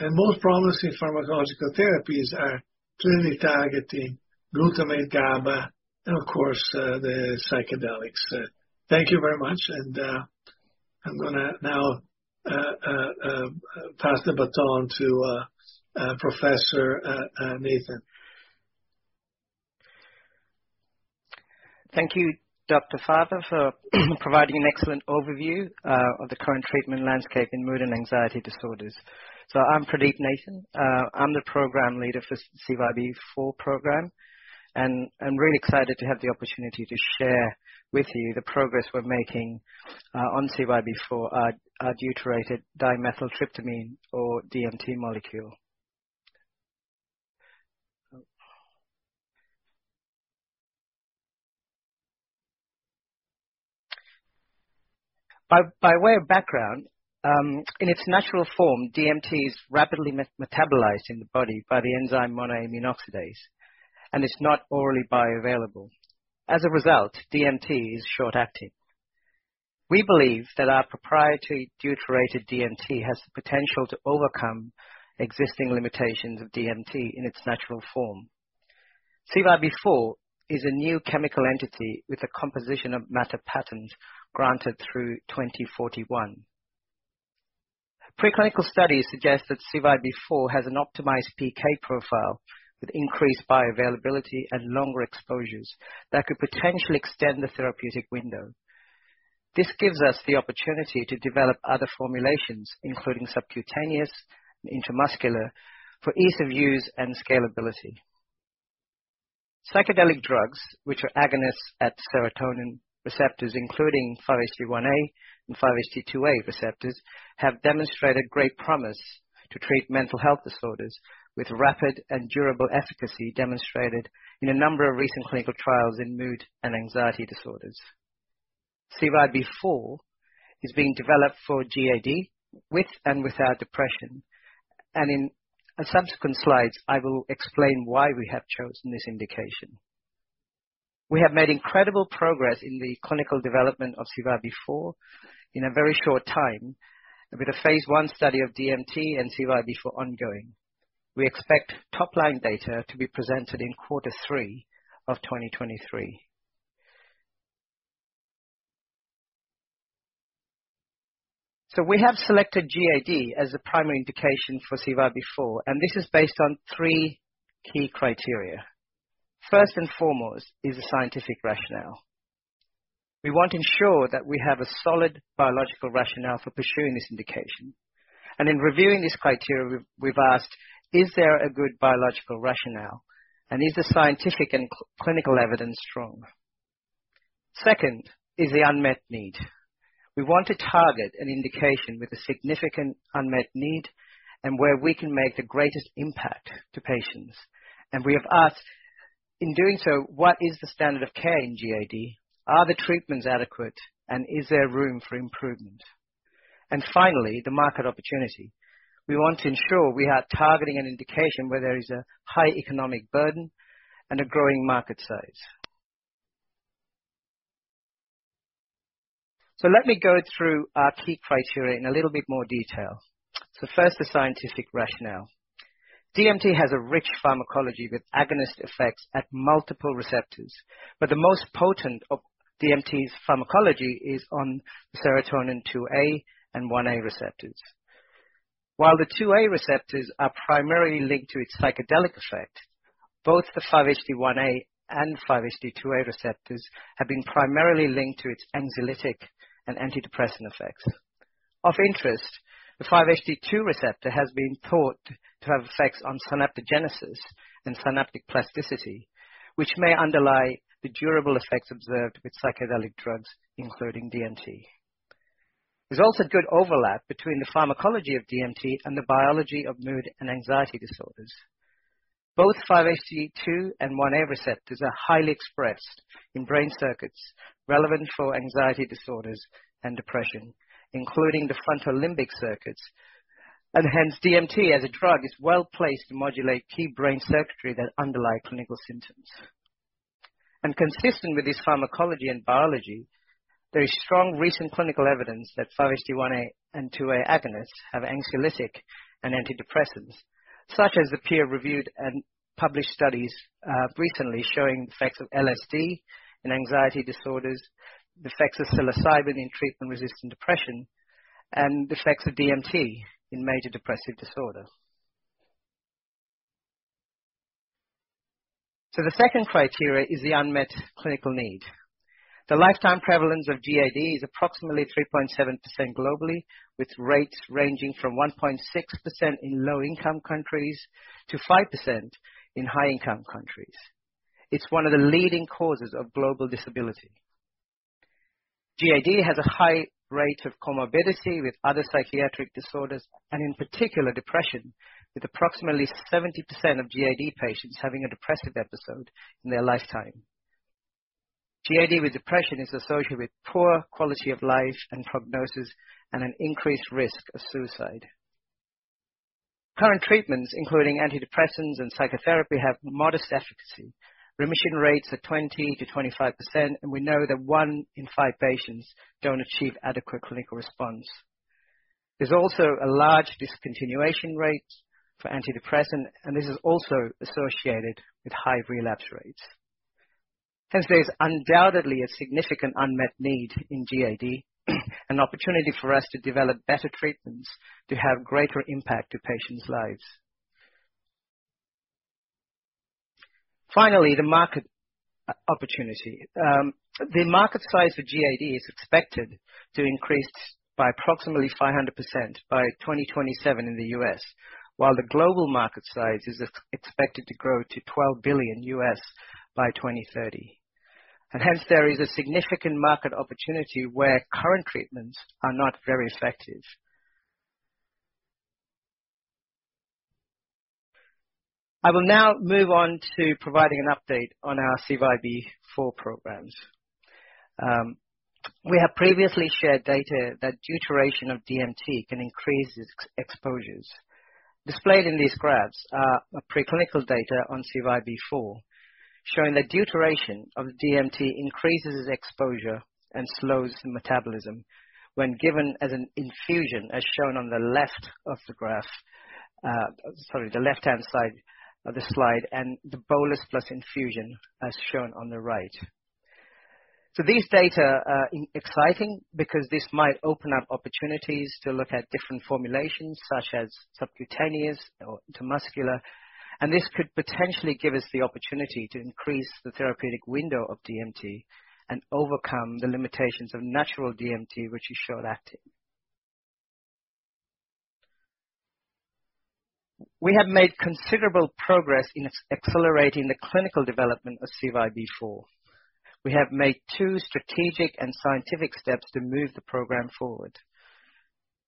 Most promising pharmacological therapies are clearly targeting glutamate, GABA, and of course, the psychedelics. Thank you very much. I'm gonna now pass the baton to Professor Nathan. Thank you, Dr. Fava, for providing an excellent overview of the current treatment landscape in mood and anxiety disorders. I'm Pradeep Nathan. I'm the program leader for CYB004 program, and I'm really excited to have the opportunity to share with you the progress we're making on CYB004, our deuterated dimethyltryptamine or DMT molecule. By way of background, in its natural form, DMT is rapidly metabolized in the body by the enzyme monoamine oxidase, and it's not orally bioavailable. As a result, DMT is short-acting. We believe that our proprietary deuterated DMT has the potential to overcome existing limitations of DMT in its natural form. CYB004 is a new chemical entity with a composition of matter patterns granted through 2041. Pre-clinical studies suggest that CYB004 has an optimized PK profile with increased bioavailability and longer exposures that could potentially extend the therapeutic window. This gives us the opportunity to develop other formulations, including subcutaneous and intramuscular, for ease of use and scalability. Psychedelic drugs, which are agonists at serotonin receptors including 5-HT1A and 5-HT2A receptors, have demonstrated great promise to treat mental health disorders with rapid and durable efficacy demonstrated in a number of recent clinical trials in mood and anxiety disorders. CYB004 is being developed for GAD with and without depression. In subsequent slides, I will explain why we have chosen this indication. We have made incredible progress in the clinical development of CYB004 in a very short time, with a phase I study of DMT and CYB004 ongoing. We expect top-line data to be presented in quarter three of 2023. We have selected GAD as a primary indication for CYB004, and this is based on three key criteria. First and foremost is the scientific rationale. We want to ensure that we have a solid biological rationale for pursuing this indication. In reviewing this criteria, we've asked, "Is there a good biological rationale, and is the scientific and clinical evidence strong?" Second is the unmet need. We want to target an indication with a significant unmet need and where we can make the greatest impact to patients. We have asked, in doing so, what is the standard of care in GAD? Are the treatments adequate, and is there room for improvement? Finally, the market opportunity. We want to ensure we are targeting an indication where there is a high economic burden and a growing market size. Let me go through our key criteria in a little bit more detail. First, the scientific rationale. DMT has a rich pharmacology with agonist effects at multiple receptors, but the most potent of DMT's pharmacology is on serotonin 2A and 1A receptors. While the 2A receptors are primarily linked to its psychedelic effect, both the 5-HT1A and 5-HT2A receptors have been primarily linked to its anxiolytic and antidepressant effects. Of interest, the 5-HT2 receptor has been thought to have effects on synaptogenesis and synaptic plasticity, which may underlie the durable effects observed with psychedelic drugs, including DMT. There's also good overlap between the pharmacology of DMT and the biology of mood and anxiety disorders. Both 5-HT2 and 1A receptors are highly expressed in brain circuits relevant for anxiety disorders and depression, including the frontolimbic circuits. Hence, DMT as a drug is well-placed to modulate key brain circuitry that underlie clinical symptoms. Consistent with this pharmacology and biology, there is strong recent clinical evidence that 5-HT1A and 2A agonists have anxiolytic and antidepressants, such as the peer-reviewed and published studies recently showing the effects of LSD in anxiety disorders, the effects of psilocybin in treatment-resistant depression, and the effects of DMT in major depressive disorder. The second criteria is the unmet clinical need. The lifetime prevalence of GAD is approximately 3.7% globally, with rates ranging from 1.6% in low-income countries to 5% in high-income countries. It's one of the leading causes of global disability. GAD has a high rate of comorbidity with other psychiatric disorders and in particular depression, with approximately 70% of GAD patients having a depressive episode in their lifetime. GAD with depression is associated with poor quality of life and prognosis and an increased risk of suicide. Current treatments, including antidepressants and psychotherapy, have modest efficacy. Remission rates are 20%-25%, and we know that one in five patients don't achieve adequate clinical response. There's also a large discontinuation rate for antidepressant, and this is also associated with high relapse rates. Hence, there's undoubtedly a significant unmet need in GAD, an opportunity for us to develop better treatments to have greater impact to patients' lives. Finally, the market opportunity. The market size for GAD is expected to increase by approximately 500% by 2027 in the U.S., while the global market size is expected to grow to $12 billion by 2030. There is a significant market opportunity where current treatments are not very effective. I will now move on to providing an update on our CYB004 programs. We have previously shared data that deuteration of DMT can increase its exposures. Displayed in these graphs are preclinical data on CYB004, showing that deuteration of DMT increases exposure and slows the metabolism when given as an infusion, as shown on the left of the graph, sorry, the left-hand side of the slide, and the bolus plus infusion, as shown on the right. These data are exciting because this might open up opportunities to look at different formulations such as subcutaneous or intramuscular. This could potentially give us the opportunity to increase the therapeutic window of DMT and overcome the limitations of natural DMT, which is short-acting. We have made considerable progress in accelerating the clinical development of CYB004. We have made two strategic and scientific steps to move the program forward.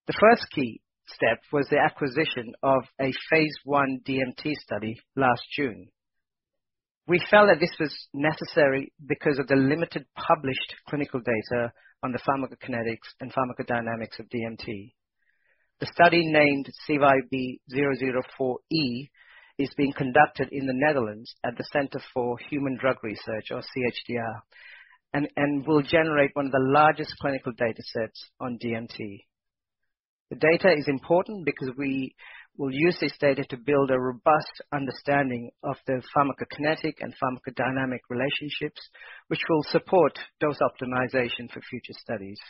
The first key step was the acquisition of a phase I DMT study last June. We felt that this was necessary because of the limited published clinical data on the pharmacokinetics and pharmacodynamics of DMT. The study, named CYB004-E, is being conducted in the Netherlands at the Centre for Human Drug Research, or CHDR, and will generate one of the largest clinical data sets on DMT. The data is important because we will use this data to build a robust understanding of the pharmacokinetic and pharmacodynamic relationships, which will support dose optimization for future studies.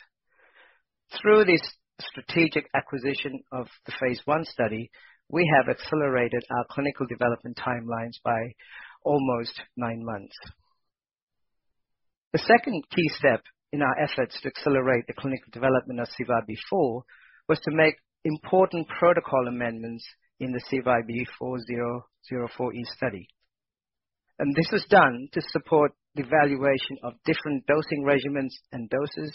Through this strategic acquisition of the phase I study, we have accelerated our clinical development timelines by almost nine months. The second key step in our efforts to accelerate the clinical development of CYB004 was to make important protocol amendments in the CYB004-E study. This was done to support the evaluation of different dosing regimens and doses, and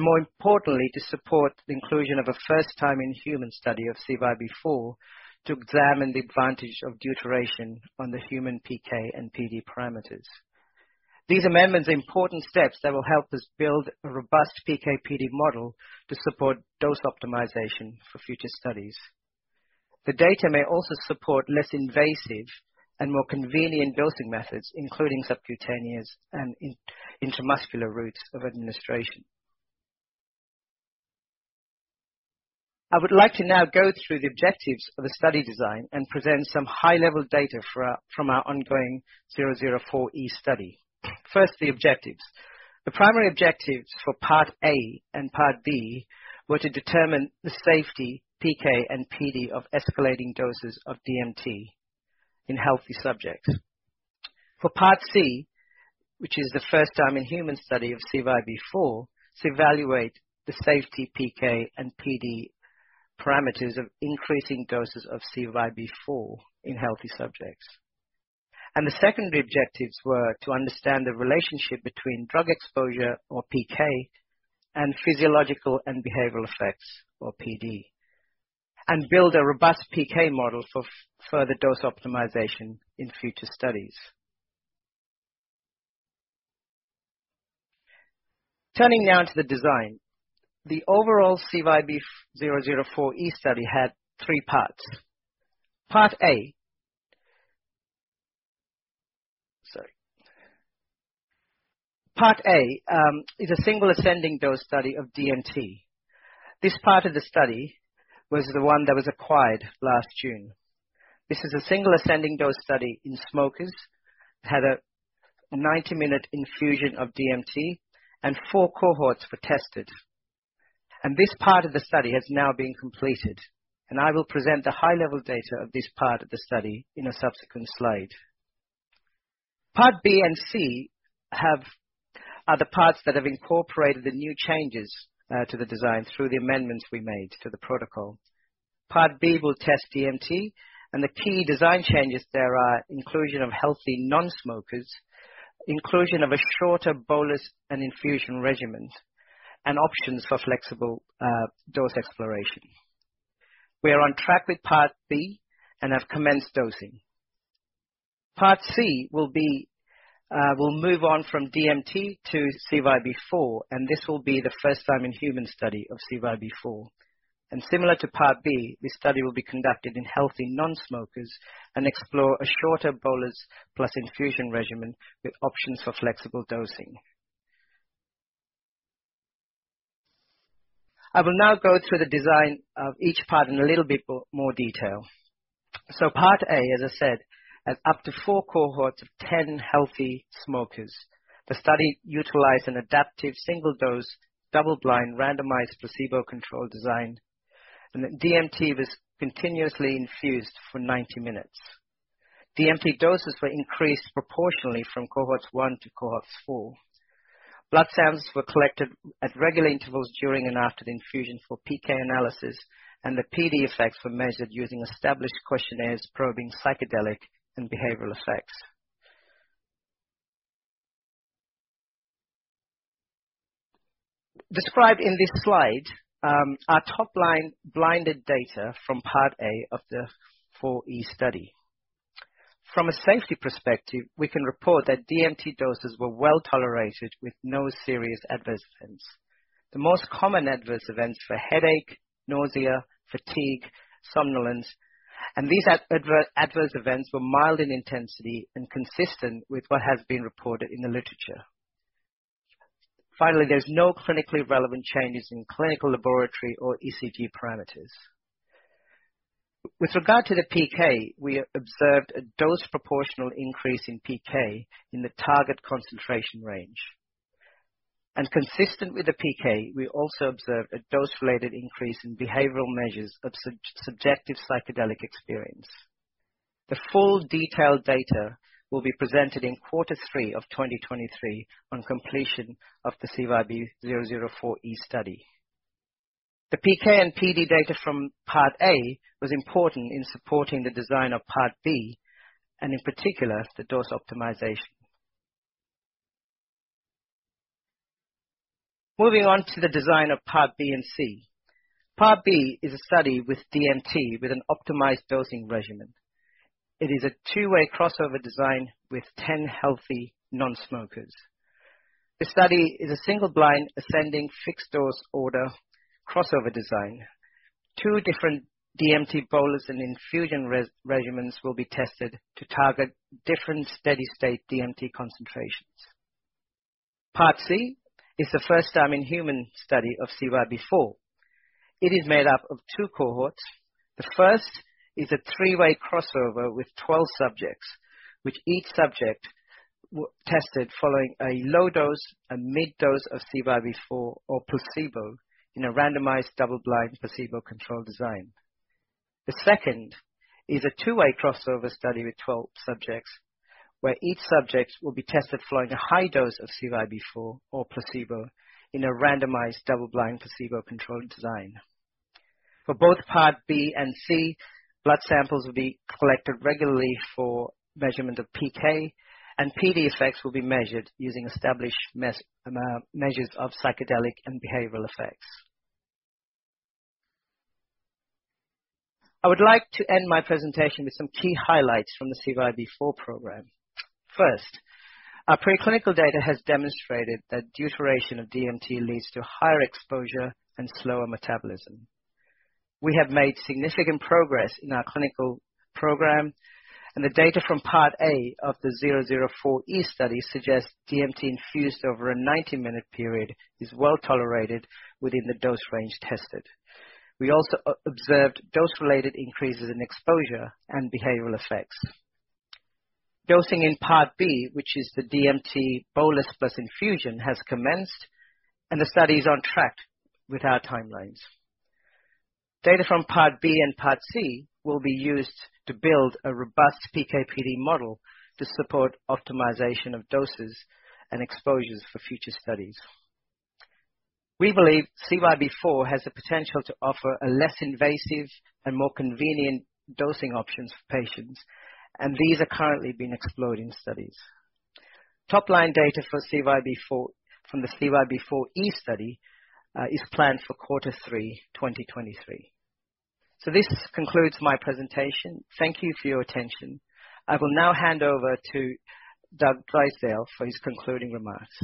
more importantly, to support the inclusion of a first-time-in-human study of CYB004 to examine the advantage of deuteration on the human PK and PD parameters. These amendments are important steps that will help us build a robust PK/PD model to support dose optimization for future studies. The data may also support less invasive and more convenient dosing methods, including subcutaneous and intramuscular routes of administration. I would like to now go through the objectives of the study design and present some high-level data from our ongoing CYB004-E study. First, the objectives. The primary objectives for Part A and Part B were to determine the safety, PK and PD of escalating doses of DMT in healthy subjects. For part C, which is the first time in human study of CYB004, to evaluate the safety, PK and PD parameters of increasing doses of CYB004 in healthy subjects. The secondary objectives were to understand the relationship between drug exposure or PK, and physiological and behavioral effects or PD. Build a robust PK model for further dose optimization in future studies. Turning now to the design. The overall CYB004-E study had three parts. Sorry. Part A, is a single ascending dose study of DMT. This part of the study was the one that was acquired last June. This is a single ascending dose study in smokers. It had a 90-minute infusion of DMT and four cohorts were tested. This part of the study has now been completed, and I will present the high-level data of this part of the study in a subsequent slide. Part B and C have other parts that have incorporated the new changes to the design through the amendments we made to the protocol. Part B will test DMT and the key design changes there are inclusion of healthy non-smokers, inclusion of a shorter bolus and infusion regimen, and options for flexible dose exploration. We are on track with Part B and have commenced dosing. Part C will be will move on from DMT to CYB004, and this will be the first time in human study of CYB004. Similar to Part B, this study will be conducted in healthy non-smokers and explore a shorter bolus plus infusion regimen with options for flexible dosing. I will now go through the design of each part in a little bit more detail. Part A, as I said, has up to four cohorts of 10 healthy smokers. The study utilized an adaptive single-dose, double-blind, randomized placebo-controlled design, and that DMT was continuously infused for 90 minutes. DMT doses were increased proportionally from cohorts one to cohorts four. Blood samples were collected at regular intervals during and after the infusion for PK analysis, and the PD effects were measured using established questionnaires probing psychedelic and behavioral effects. Described in this slide are top line blinded data from part A of the 4E study. From a safety perspective, we can report that DMT doses were well tolerated with no serious adverse events. The most common adverse events were headache, nausea, fatigue, somnolence. These adverse events were mild in intensity and consistent with what has been reported in the literature. Finally, there's no clinically relevant changes in clinical laboratory or ECG parameters. With regard to the PK, we observed a dose proportional increase in PK in the target concentration range. Consistent with the PK, we also observed a dose-related increase in behavioral measures of subjective psychedelic experience. The full detailed data will be presented in quarter three of 2023 on completion of the CYB004-E study. The PK and PD data from part A was important in supporting the design of part B and, in particular, the dose optimization. Moving on to the design of part B and C. Part B is a study with DMT with an optimized dosing regimen. It is a two-way crossover design with 10 healthy non-smokers. The study is a single-blind, ascending fixed dose order crossover design. Two different DMT bolus and infusion regimens will be tested to target different steady-state DMT concentrations. Part C is the first time in human study of CYB004. It is made up of two cohorts. The first is a three-way crossover with 12 subjects, which each subject tested following a low dose and mid dose of CYB004 or placebo in a randomized double-blind, placebo-controlled design. The second is a two-way crossover study with 12 subjects, where each subject will be tested following a high dose of CYB004 or placebo in a randomized double-blind, placebo-controlled design. For both part B and C, blood samples will be collected regularly for measurement of PK, and PD effects will be measured using established measures of psychedelic and behavioral effects. I would like to end my presentation with some key highlights from the CYB004 program. First, our preclinical data has demonstrated that deuteration of DMT leads to higher exposure and slower metabolism. We have made significant progress in our clinical program. The data from part A of the CYB004-E study suggests DMT infused over a 90-minute period is well tolerated within the dose range tested. We also observed dose-related increases in exposure and behavioral effects. Dosing in part B, which is the DMT bolus plus infusion, has commenced, and the study is on track with our timelines. Data from part B and part C will be used to build a robust PK/PD model to support optimization of doses and exposures for future studies. We believe CYB004 has the potential to offer a less invasive and more convenient dosing options for patients, and these are currently being explored in studies. Top line data for CYB004 from the CYB004-E study is planned for quarter three 2023. This concludes my presentation. Thank you for your attention. I will now hand over to Doug Drysdale for his concluding remarks.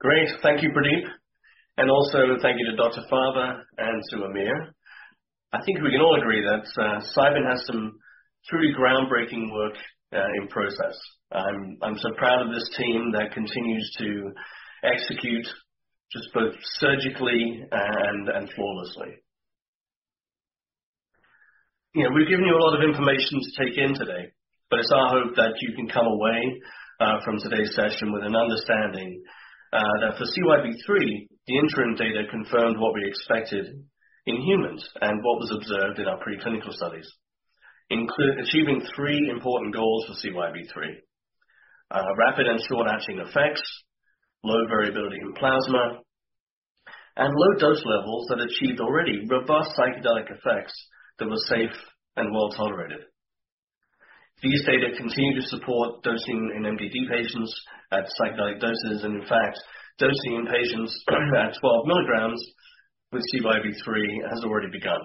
Great. Thank you, Pradeep. Also thank you to Dr. Fava and to Amir. I think we can all agree that Cybin has some truly groundbreaking work in process. I'm so proud of this team that continues to execute just both surgically and flawlessly. You know, we've given you a lot of information to take in today, but it's our hope that you can come away from today's session with an understanding that for CYB003, the interim data confirmed what we expected in humans and what was observed in our pre-clinical studies. Achieving three important goals for CYB003. Rapid and short-acting effects, low variability in plasma, and low dose levels that achieved already robust psychedelic effects that were safe and well tolerated. These data continue to support dosing in MDD patients at psychedelic doses and in fact dosing in patients at 12 mg with CYB003 has already begun.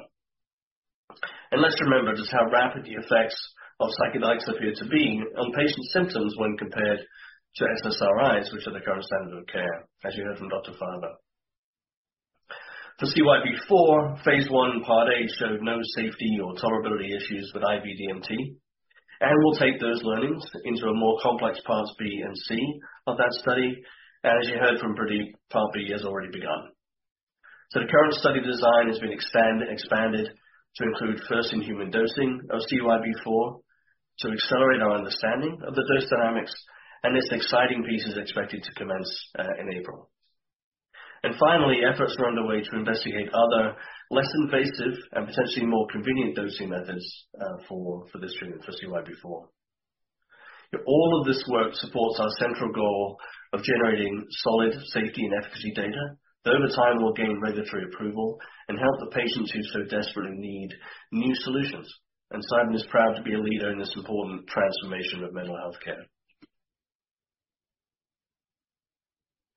Let's remember just how rapid the effects of psychedelics appear to be on patient symptoms when compared to SSRIs, which are the current standard of care, as you heard from Dr. Fava. For CYB004, phase I, part A showed no safety or tolerability issues with IV DMT. We'll take those learnings into a more complex parts B and C of that study. As you heard from Pradeep, part B has already begun. The current study design has been expanded to include first in human dosing of CYB004 to accelerate our understanding of the dose dynamics. This exciting piece is expected to commence in April. Finally, efforts are underway to investigate other less invasive and potentially more convenient dosing methods for this treatment for CYB004. All of this work supports our central goal of generating solid safety and efficacy data that over time will gain regulatory approval and help the patients who so desperately need new solutions. Cybin is proud to be a leader in this important transformation of mental health care.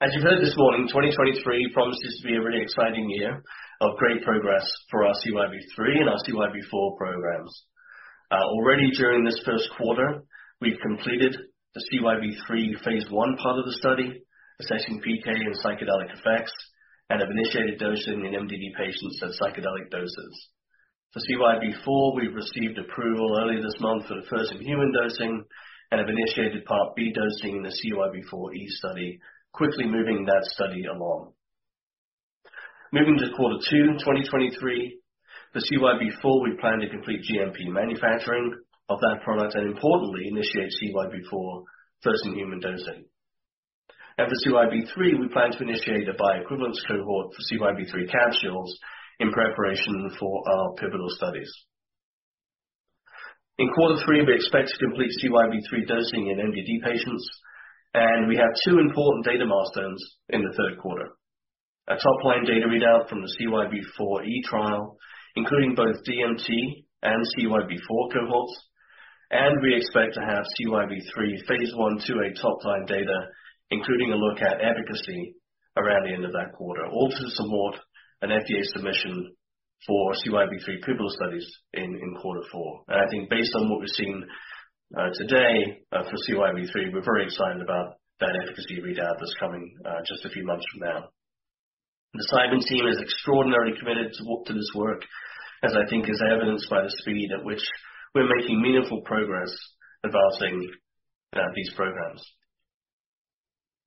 As you've heard this morning, 2023 promises to be a really exciting year of great progress for our CYB003 and our CYB004 programs. Already during this first quarter, we've completed the CYB003 phase I part of the study, assessing PK and psychedelic effects, and have initiated dosing in MDD patients at psychedelic doses. For CYB004, we've received approval early this month for the first in human dosing and have initiated part B dosing in the CYB004E study, quickly moving that study along. Moving to quarter two, 2023. For CYB004, we plan to complete GMP manufacturing of that product and importantly initiate CYB004 first in human dosing. For CYB003, we plan to initiate a bioequivalence cohort for CYB003 capsules in preparation for our pivotal studies. In quarter three, we expect to complete CYB003 dosing in MDD patients, and we have two important data milestones in the third quarter. A top line data readout from the CYB004E trial, including both DMT and CYB004 cohorts, and we expect to have CYB003 phase 1/2-A top line data, including a look at efficacy around the end of that quarter, all to support an FDA submission for CYB003 pivotal studies in quarter four. I think based on what we've seen, today, for CYB003, we're very excited about that efficacy readout that's coming, just a few months from now. The Cybin team is extraordinarily committed to this work, as I think is evidenced by the speed at which we're making meaningful progress advancing, these programs.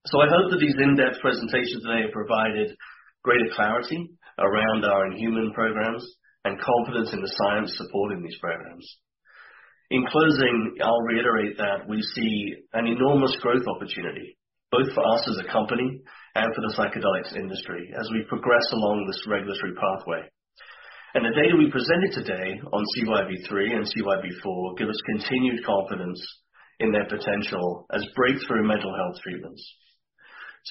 I hope that these in-depth presentations today have provided greater clarity around our in-human programs and confidence in the science supporting these programs. In closing, I'll reiterate that we see an enormous growth opportunity, both for us as a company and for the psychedelics industry as we progress along this regulatory pathway. The data we presented today on CYB003 and CYB004 give us continued confidence in their potential as breakthrough mental health treatments.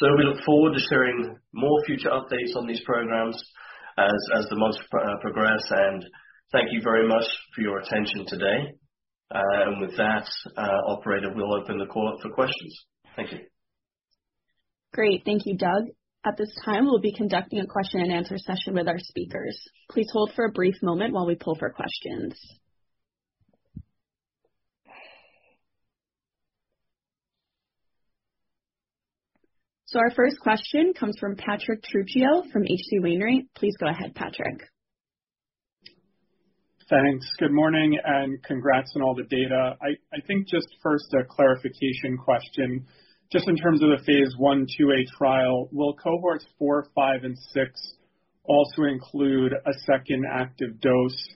We look forward to sharing more future updates on these programs as the months progress. thank you very much for your attention today. and with that, operator, we'll open the call up for questions. Thank you. Great. Thank you, Doug. At this time, we'll be conducting a question and answer session with our speakers. Please hold for a brief moment while we pull for questions. Our first question comes from Patrick Trucchio from H.C. Wainwright. Please go ahead, Patrick. Thanks. Good morning and congrats on all the data. I think just first a clarification question. In terms of the phase 1/2-A trial, will cohorts four, five, and six also include a second active dose?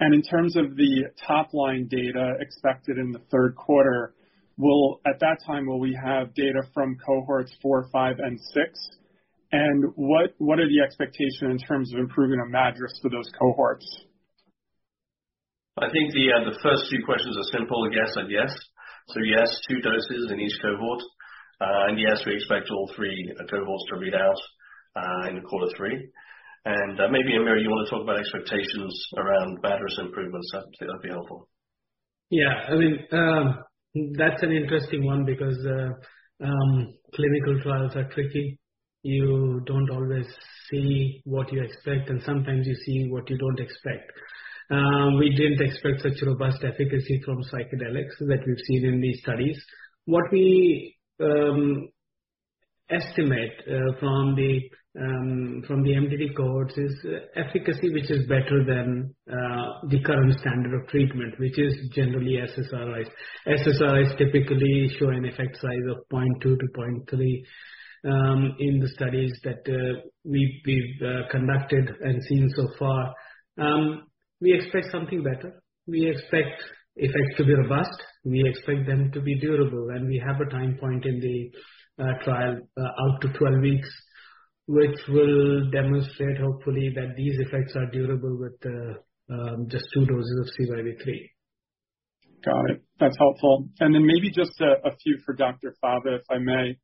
In terms of the top line data expected in the third quarter, at that time, will we have data from cohorts four, five, and si? What are the expectations in terms of improving on MADRS for those cohorts? I think the first two questions are simple, yes and yes. Yes, two doses in each cohort. Yes, we expect all three cohorts to read out in quarter three. Maybe, Amir, you wanna talk about expectations around MADRS improvements. I think that'd be helpful. Yeah. I mean, that's an interesting one because clinical trials are tricky. You don't always see what you expect, and sometimes you're seeing what you don't expect. We didn't expect such robust efficacy from psychedelics that we've seen in these studies. What we estimate from the MDD cohorts is efficacy, which is better than the current standard of treatment, which is generally SSRIs. SSRIs typically show an effect size of 0.2-0.3 in the studies that we've conducted and seen so far. We expect something better. We expect effects to be robust. We expect them to be durable. We have a time point in the trial out to 12 weeks, which will demonstrate hopefully that these effects are durable with just two doses of CYB003. Got it. That's helpful. Maybe just a few for Dr. Fava, if I may.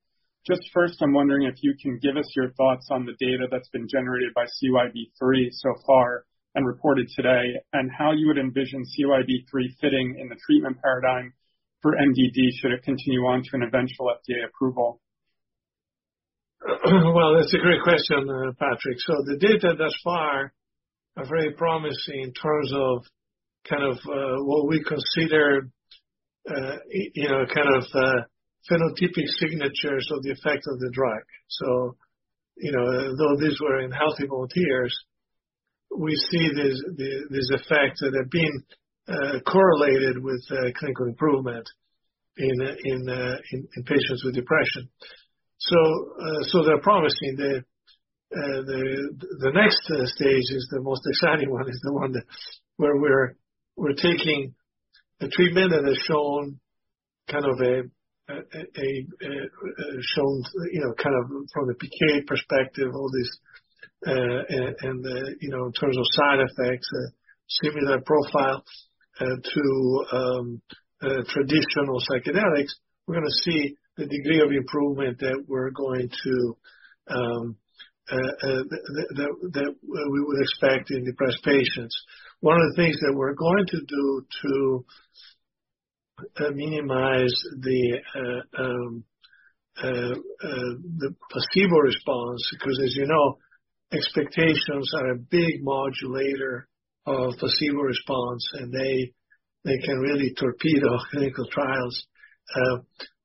Just first, I'm wondering if you can give us your thoughts on the data that's been generated by CYB003 so far and reported today, and how you would envision CYB003 fitting in the treatment paradigm for MDD should it continue on to an eventual FDA approval. Well, that's a great question, Patrick. The data thus far are very promising in terms of kind of, what we consider, you know, kind of, phenotypic signatures of the effect of the drug. You know, though these were in healthy volunteers, we see these effects that are being correlated with clinical improvement in patients with depression. They're promising. The next stage is the most exciting one, is the one that where we're taking a treatment that has shown kind of a, shown, you know, kind of from the PK perspective, all these, and the, you know, in terms of side effects, similar profile, to traditional psychedelics. We're gonna see the degree of improvement that we're going to that we would expect in depressed patients. One of the things that we're going to do to minimize the placebo response, because as you know, expectations are a big modulator of placebo response, and they can really torpedo clinical trials.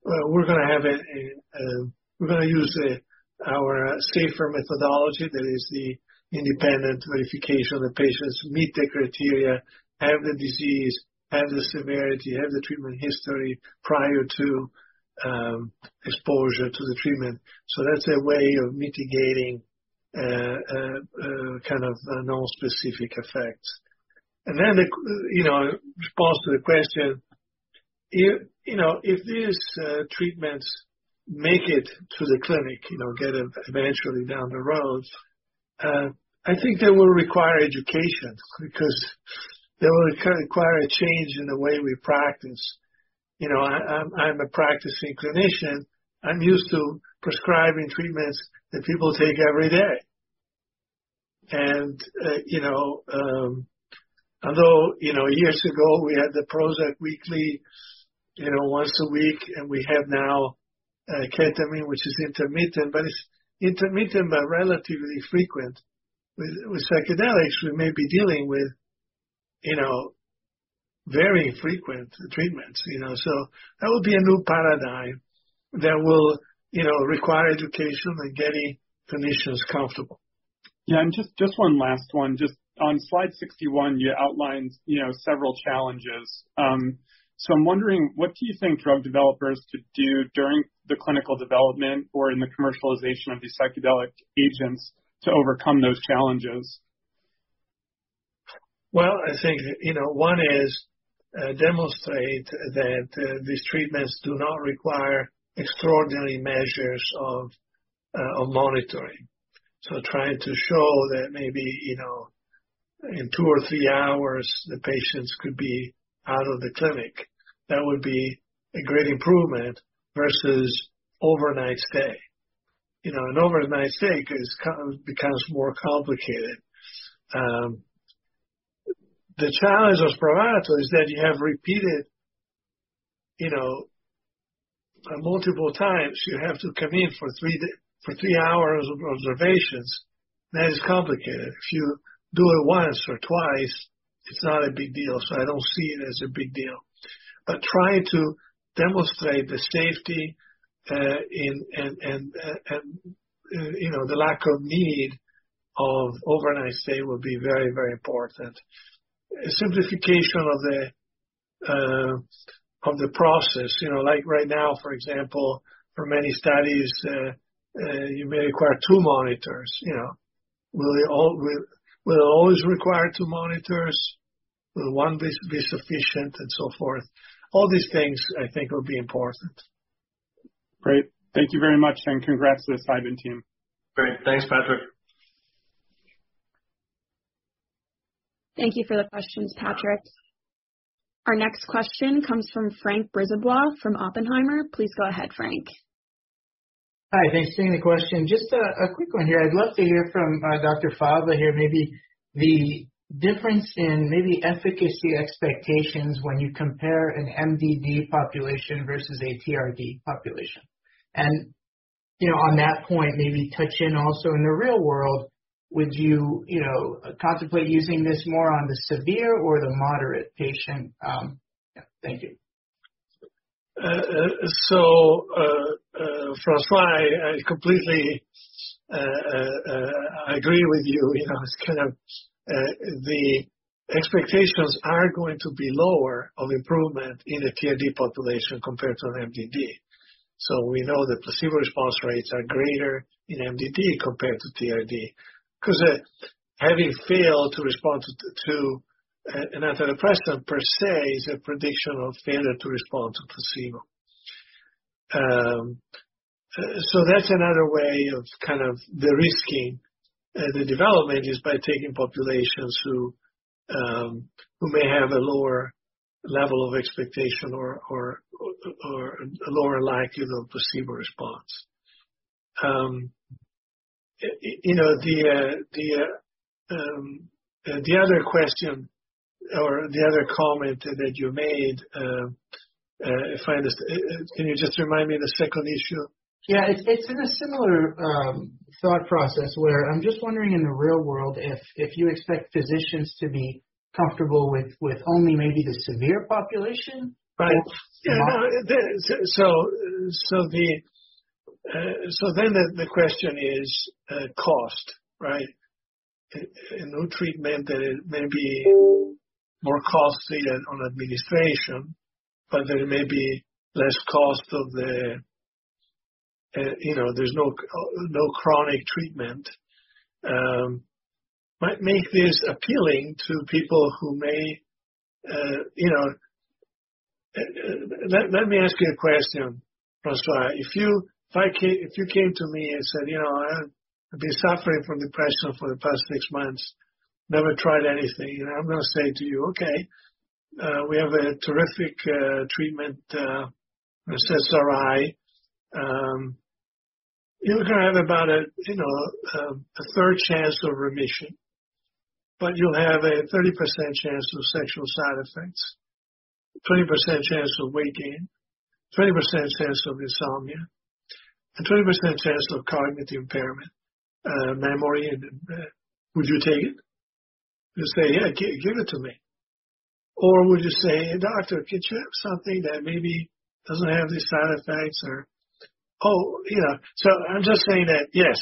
We're gonna use the, our safer methodology that is the independent verification of the patients who meet the criteria, have the disease, have the severity, have the treatment history prior to exposure to the treatment. That's a way of mitigating kind of nonspecific effects. The, you know, response to the question. If, you know, if these treatments make it to the clinic, you know, get eventually down the road, I think they will require education because they will require a change in the way we practice. You know, I'm a practicing clinician. I'm used to prescribing treatments that people take every day. Although, you know, years ago, we had the Prozac weekly, you know, once a week, and we have now ketamine, which is intermittent, but it's intermittent but relatively frequent. With psychedelics, we may be dealing with, you know, very frequent treatments, you know. That would be a new paradigm that will, you know, require education and getting clinicians comfortable. Yeah. Just one last one. Just on slide 61, you outlined, you know, several challenges. I'm wondering, what do you think drug developers could do during the clinical development or in the commercialization of these psychedelic agents to overcome those challenges? I think, you know, one is demonstrate that these treatments do not require extraordinary measures of monitoring. Trying to show that maybe, you know, in two or three hours, the patients could be out of the clinic. That would be a great improvement versus overnight stay. You know, an overnight stay becomes more complicated. The challenge of Spravato is that you have repeated, you know, multiple times, you have to come in for three hours of observations. That is complicated. If you do it once or twice, it's not a big deal, so I don't see it as a big deal. Trying to demonstrate the safety and, you know, the lack of need of overnight stay would be very, very important. Simplification of the process. You know, like right now, for example, for many studies, you may require two monitors, you know. Will you always require two monitors? Will 1 be sufficient and so forth? All these things, I think, will be important. Great. Thank you very much, and congrats to the Cybin team. Great. Thanks, Patrick. Thank you for the questions, Patrick. Our next question comes from Frank Brisebois from Oppenheimer. Please go ahead, Frank. Hi. Thanks for taking the question. Just a quick one here. I'd love to hear from, Dr. Fava here, maybe the difference in efficacy expectations when you compare an MDD population versus a TRD population? You know, on that point, maybe touch in also in the real world, would you know, contemplate using this more on the severe or the moderate patient? Thank you. François, I completely agree with you. You know, it's kind of the expectations are going to be lower of improvement in a TRD population compared to an MDD. We know the placebo response rates are greater in MDD compared to TRD 'cause having failed to respond to an antidepressant per se is a prediction of failure to respond to placebo. That's another way of kind of de-risking the development is by taking populations who may have a lower-level of expectation or lower likelihood of placebo response. You know, the other question or the other comment that you made, Can you just remind me the second issue? Yeah. It's in a similar thought process where I'm just wondering in the real world if you expect physicians to be comfortable with only maybe the severe population. Right. Small. Yeah, no. So the question is, cost, right? A new treatment that may be more costly on administration, but there may be less cost of the, you know, there's no chronic treatment. Might make this appealing to people who may, you know... Let me ask you a question, François. If you, if you came to me and said, "You know, I've been suffering from depression for the past six months. Never tried anything," you know, I'm gonna say to you, "Okay, we have a terrific treatment, an SSRI. You're gonna have about a, you know, a third chance of remission, but you'll have a 30% chance of sexual side effects, 20% chance of weight gain, 20% chance of insomnia, a 20% chance of cognitive impairment, memory and. Would you take it? You'd say, "Yeah, give it to me." Would you say, "Doctor, could you have something that maybe doesn't have these side effects or." You know. I'm just saying that, yes,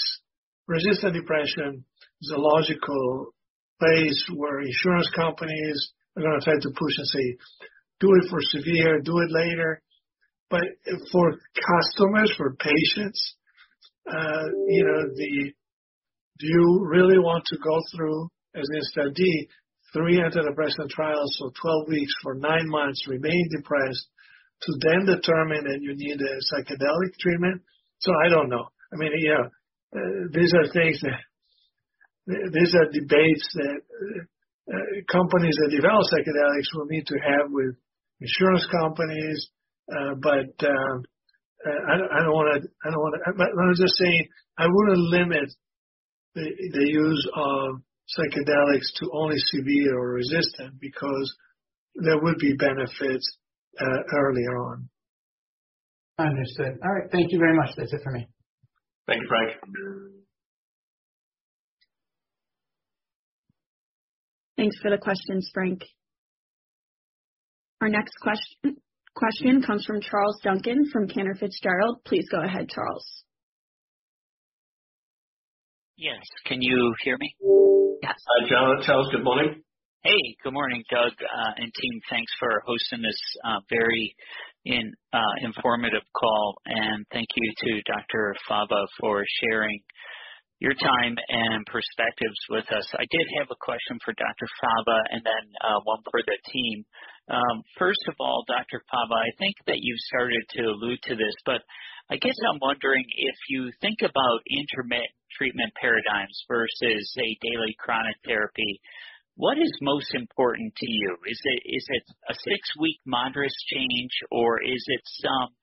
resistant depression is a logical place where insurance companies are gonna attempt to push and say, "Do it for severe, do it later." For customers, for patients, you know, do you really want to go through, as an SD, three antidepressant trials for 12 weeks for nine months, remain depressed, to then determine that you need a psychedelic treatment? I don't know. I mean, yeah, these are debates that companies that develop psychedelics will need to have with insurance companies. I don't wanna. I'm just saying, I wouldn't limit the use of psychedelics to only severe or resistant because there would be benefits earlier on. Understood. All right. Thank you very much. That's it for me. Thank you, Frank. Thanks for the questions, Frank. Our next question comes from Charles Duncan from Cantor Fitzgerald. Please go ahead, Charles. Yes. Can you hear me? Yes. Hi, John. Charles, good morning. Hey, good morning, Doug and team. Thanks for hosting this very informative call. Thank you to Dr. Fava for sharing your time and perspectives with us. I did have a question for Dr. Fava and then one for the team. First of all, Dr. Fava, I think that you've started to allude to this, I guess I'm wondering if you think about intermittent treatment paradigms versus a daily chronic therapy, what is most important to you? Is it a six-week moderate change or is it some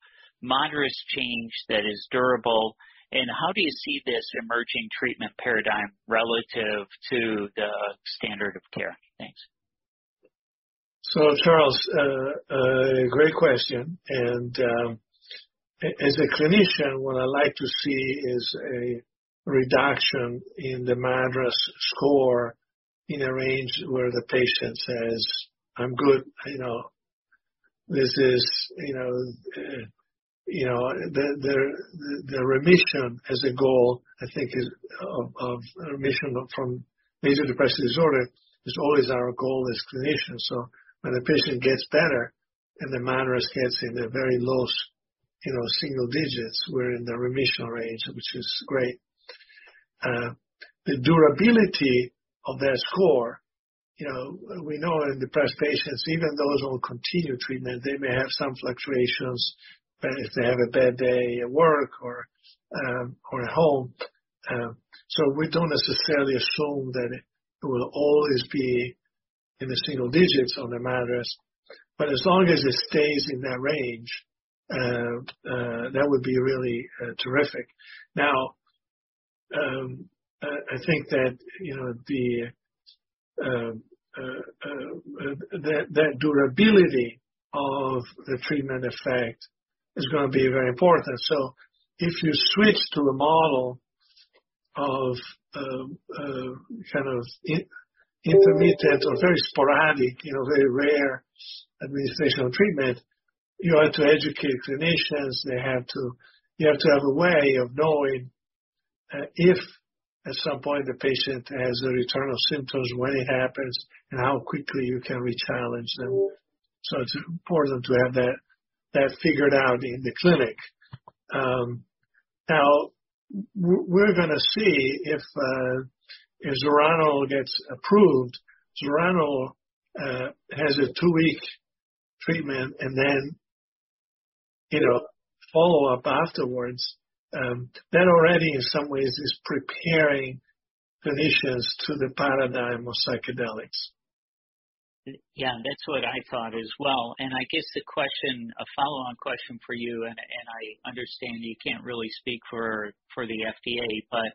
moderate change that is durable? How do you see this emerging treatment paradigm relative to the standard of care? Thanks. Charles, great question. As a clinician, what I like to see is a reduction in the moderate score in a range where the patient says, "I'm good, you know. This is, you know, you know..." The remission as a goal, I think is of remission from major depressive disorder is always our goal as clinicians. When a patient gets better and the moderate gets in the very lowest, you know, single digits, we're in the remission range, which is great. The durability of their score, you know, we know in depressed patients, even those on continued treatment, they may have some fluctuations, but if they have a bad day at work or at home. We don't necessarily assume that it will always be in the single digits on the moderate. As long as it stays in that range, that would be really terrific. I think that, you know, the durability of the treatment effect is gonna be very important. If you switch to a model of kind of intermittent or very sporadic, you know, very rare administrational treatment, you have to educate clinicians, you have to have a way of knowing if at some point the patient has a return of symptoms, when it happens, and how quickly you can rechallenge them. It's important to have that figured out in the clinic. Now we're gonna see if zuranolone gets approved. Zuranolone has a two-week treatment and then, you know, follow up afterwards, that already in some ways is preparing physicians to the paradigm of psychedelics. Yeah, that's what I thought as well. I guess a follow-on question for you, and I understand you can't really speak for the FDA, but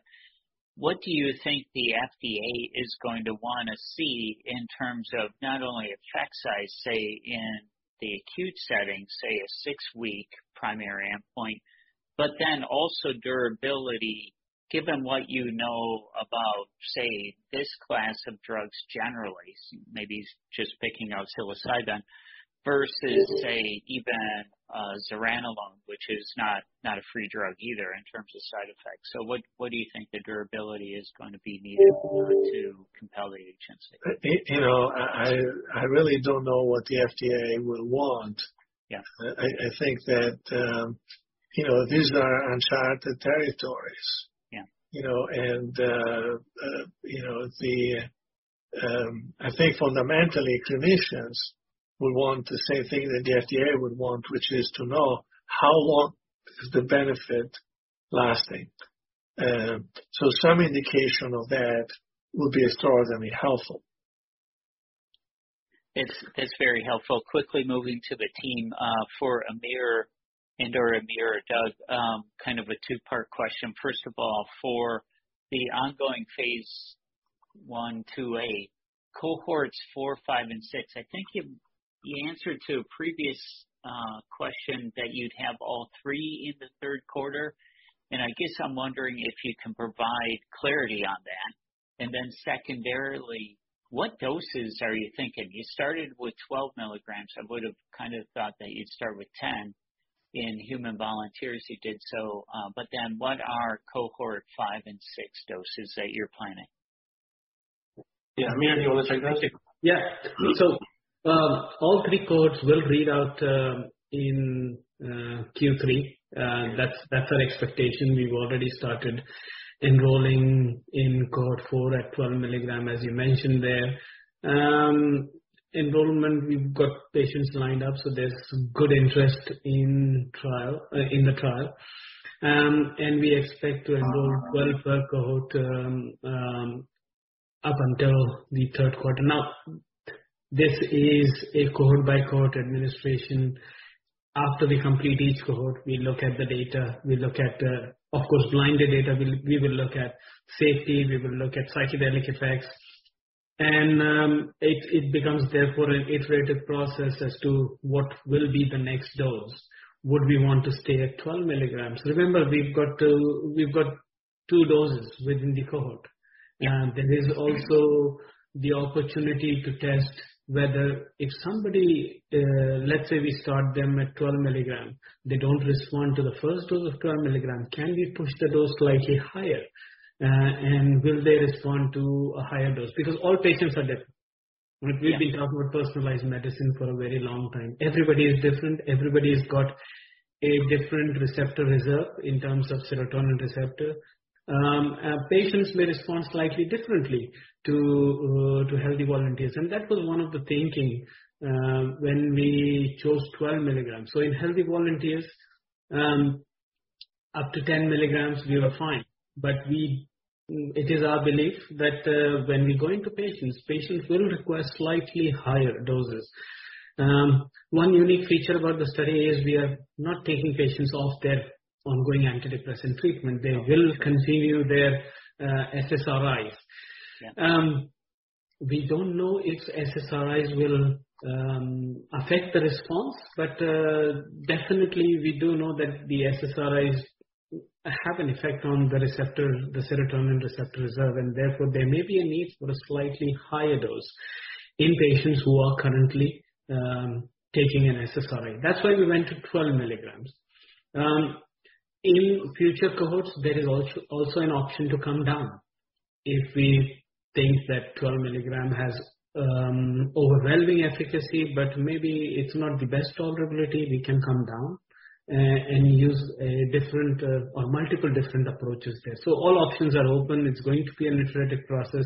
what do you think the FDA is going to wanna see in terms of not only effect size, say, in the acute setting, say, a six-week primary endpoint, but then also durability given what you know about, say, this class of drugs generally, maybe it's just picking out psilocybin, versus say even zuranolone, which is not a free drug either in terms of side effects. What do you think the durability is going to be needed to compel the agency? You know, I really don't know what the FDA will want. Yeah. I think that, you know, these are uncharted territories. Yeah. You know, I think fundamentally clinicians will want the same thing that the FDA would want, which is to know how long is the benefit lasting. Some indication of that will be extraordinarily helpful. It's very helpful. Quickly moving to the team, for Amir and or Amir, Doug, kind of a two-part question. First of all, for the ongoing phase 1/2-A, cohorts four, five, and six. I think you answered to a previous question that you'd have all three in the third quarter, and I guess I'm wondering if you can provide clarity on that. Secondarily, what doses are you thinking? You started with 12 mg. I would have kinda thought that you'd start with 10 mg. In human volunteers, you did so, but then what are cohort five and six doses that you're planning? Yeah. Amir, do you wanna take that? All three cohorts will read out in Q3. That's our expectation. We've already started enrolling in cohort four at 12 mg, as you mentioned there. Enrollment, we've got patients lined up, there's good interest in the trial. We expect to enroll one per cohort up until the third quarter. This is a cohort by cohort administration. After we complete each cohort, we look at the data, we look at, of course, blinded data. We will look at safety, we will look at psychedelic effects. It becomes therefore an iterative process as to what will be the next dose. Would we want to stay at 12 mg? Remember, we've got two doses within the cohort. Yeah. There is also the opportunity to test whether if somebody, let's say we start them at 12 mg, they don't respond to the first dose of 12 mg, can we push the dose slightly higher, and will they respond to a higher dose? Because all patients are different. Yeah. We've been talking about personalized medicine for a very long time. Everybody is different. Everybody has got a different receptor reserve in terms of serotonin receptor. Patients may respond slightly differently to healthy volunteers. That was one of the thinking when we chose 12 mg. In healthy volunteers, up to 10 mg, we were fine. It is our belief that when we go into patients will request slightly higher doses. One unique feature about the study is we are not taking patients off their ongoing antidepressant treatment. They will continue their SSRIs. Yeah. We don't know if SSRIs will affect the response, but definitely we do know that the SSRIs have an effect on the receptor, the serotonin receptor reserve, and therefore there may be a need for a slightly higher dose in patients who are currently taking an SSRI. That's why we went to 12 mg. In future cohorts, there is also an option to come down. If we think that 12 mg has overwhelming efficacy, but maybe it's not the best tolerability, we can come down and use a different or multiple different approaches there. All options are open. It's going to be an iterative process,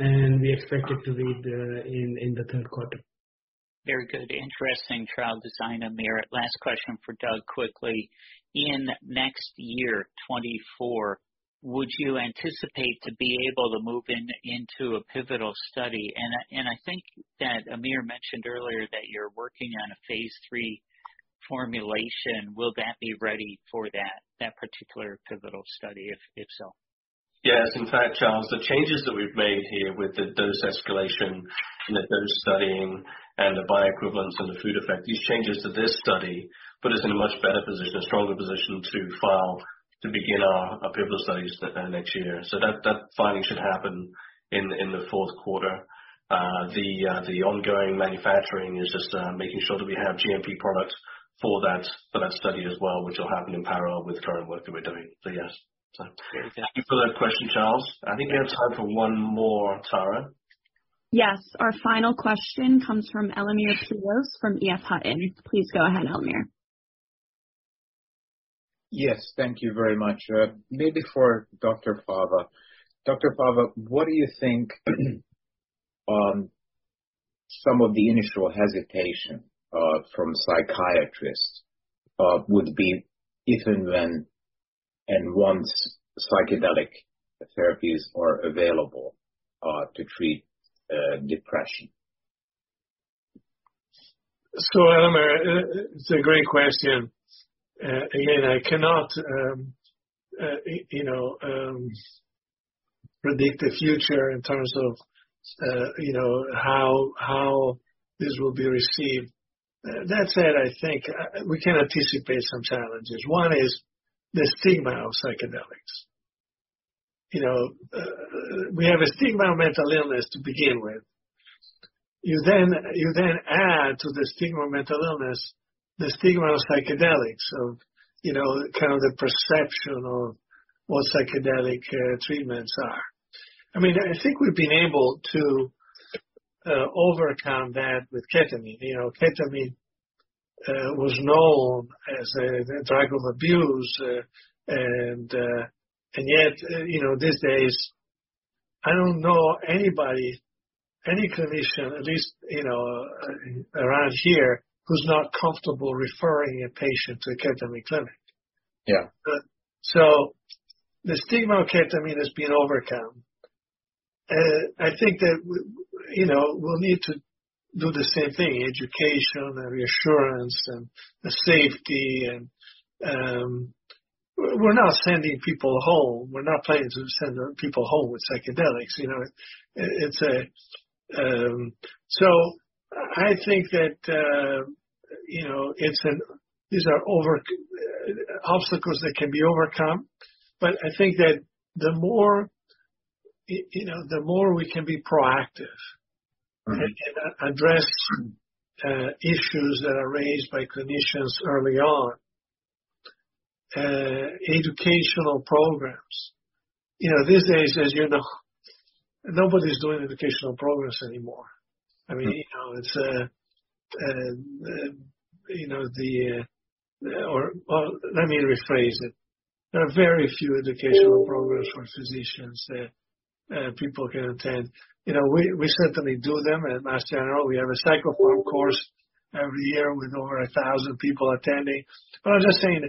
and we expect it to read in the third quarter. Very good. Interesting trial design, Amir. Last question for Doug, quickly. In next year, 2024, would you anticipate to be able to move into a pivotal study? I think that Amir mentioned earlier that you're working on a phase III formulation. Will that be ready for that particular pivotal study, if so? Yes. In fact, Charles, the changes that we've made here with the dose escalation and the dose studying and the bioequivalence and the food effect, these changes to this study put us in a much better position, a stronger position to file to begin our pivotal studies next year. That filing should happen in the fourth quarter. The ongoing manufacturing is just making sure that we have GMP products for that study as well, which will happen in parallel with current work that we're doing. Yes. Thank you for that question, Charles. I think we have time for one more, Tara. Yes. Our final question comes from Elemer Piros from EF Hutton. Please go ahead, Elemer. Yes. Thank you very much. Maybe for Dr. Fava. Dr. Fava, what do you think some of the initial hesitation from psychiatrists would be if and when and once psychedelic therapies are available to treat depression? Elemer, it's a great question. Again, I cannot, you know, predict the future in terms of, you know, how this will be received. That said, I think we can anticipate some challenges. One is the stigma of psychedelics. You know, we have a stigma of mental illness to begin with. You then add to the stigma of mental illness the stigma of psychedelics. You know, kind of the perception of what psychedelic treatments are. I mean, I think we've been able to overcome that with ketamine. You know, ketamine was known as a drug of abuse, and yet, you know, these days, I don't know anybody, any clinician, at least, you know, around here, who's not comfortable referring a patient to a ketamine clinic. Yeah. The stigma of ketamine is being overcome. I think that you know, we'll need to do the same thing, education, reassurance, and the safety and, we're not sending people home. We're not planning to send people home with psychedelics, you know. I think that, you know, these are obstacles that can be overcome. I think that the more, you know, the more we can be proactive. Mm-hmm. Address issues that are raised by clinicians early on. Educational programs. You know, these days, as you know, nobody's doing educational programs anymore. I mean, you know, it's a, you know, or let me rephrase it. There are very few educational programs for physicians that people can attend. You know, we certainly do them at Mass General. We have a psycho forum course every year with over 1,000 people attending. I'm just saying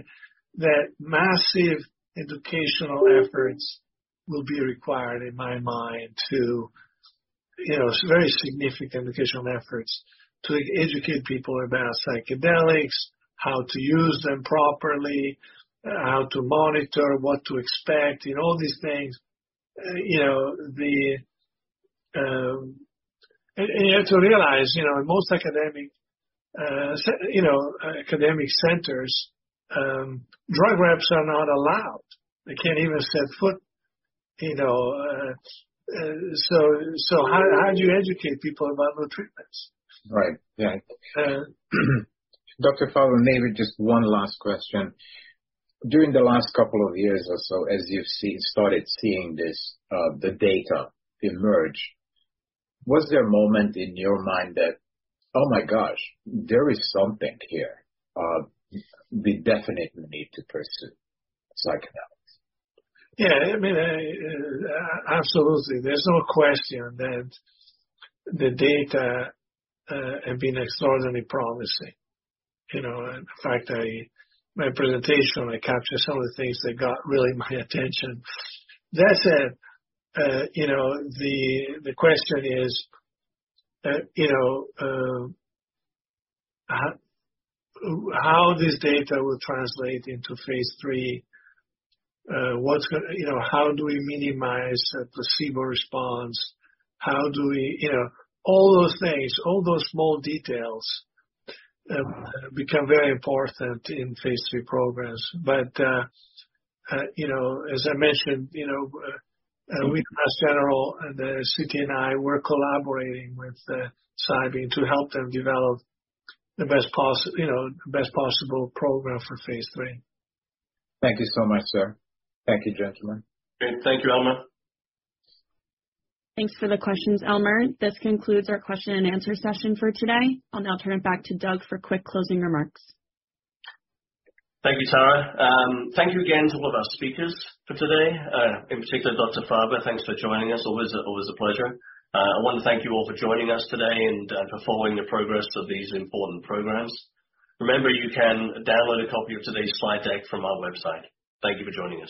that massive educational efforts will be required, in my mind, to, you know, very significant educational efforts to educate people about psychedelics, how to use them properly, how to monitor, what to expect in all these things. You have to realize, you know, in most academic, you know, academic centers, drug reps are not allowed. They can't even set foot, you know, how do you educate people about new treatments? Right. Yeah. Dr. Fava, maybe just one last question. During the last couple of years or so, as you've started seeing this, the data emerge, was there a moment in your mind that, oh, my gosh, there is something here, we definitely need to pursue psychedelics? I mean, absolutely. There's no question that the data have been extraordinarily promising. You know, in fact, my presentation, I captured some of the things that got really my attention. That said, you know, the question is, you know, how this data will translate into phase III. What's gonna, you know, how do we minimize a placebo response? How do we, you know, all those things, all those small details become very important in phase III programs. You know, as I mentioned, you know, we at Mass General, the CTNI, we're collaborating with Cybin to help them develop the best possible program for phase III. Thank you so much, sir. Thank you, gentlemen. Great. Thank you, Elemer. Thanks for the questions, Elemer. This concludes our question and answer session for today. I'll now turn it back to Doug for quick closing remarks. Thank you, Tara. Thank you again to all of our speakers for today. In particular, Dr. Fava, thanks for joining us. Always, always a pleasure. I want to thank you all for joining us today and for following the progress of these important programs. Remember, you can download a copy of today's slide deck from our website. Thank you for joining us.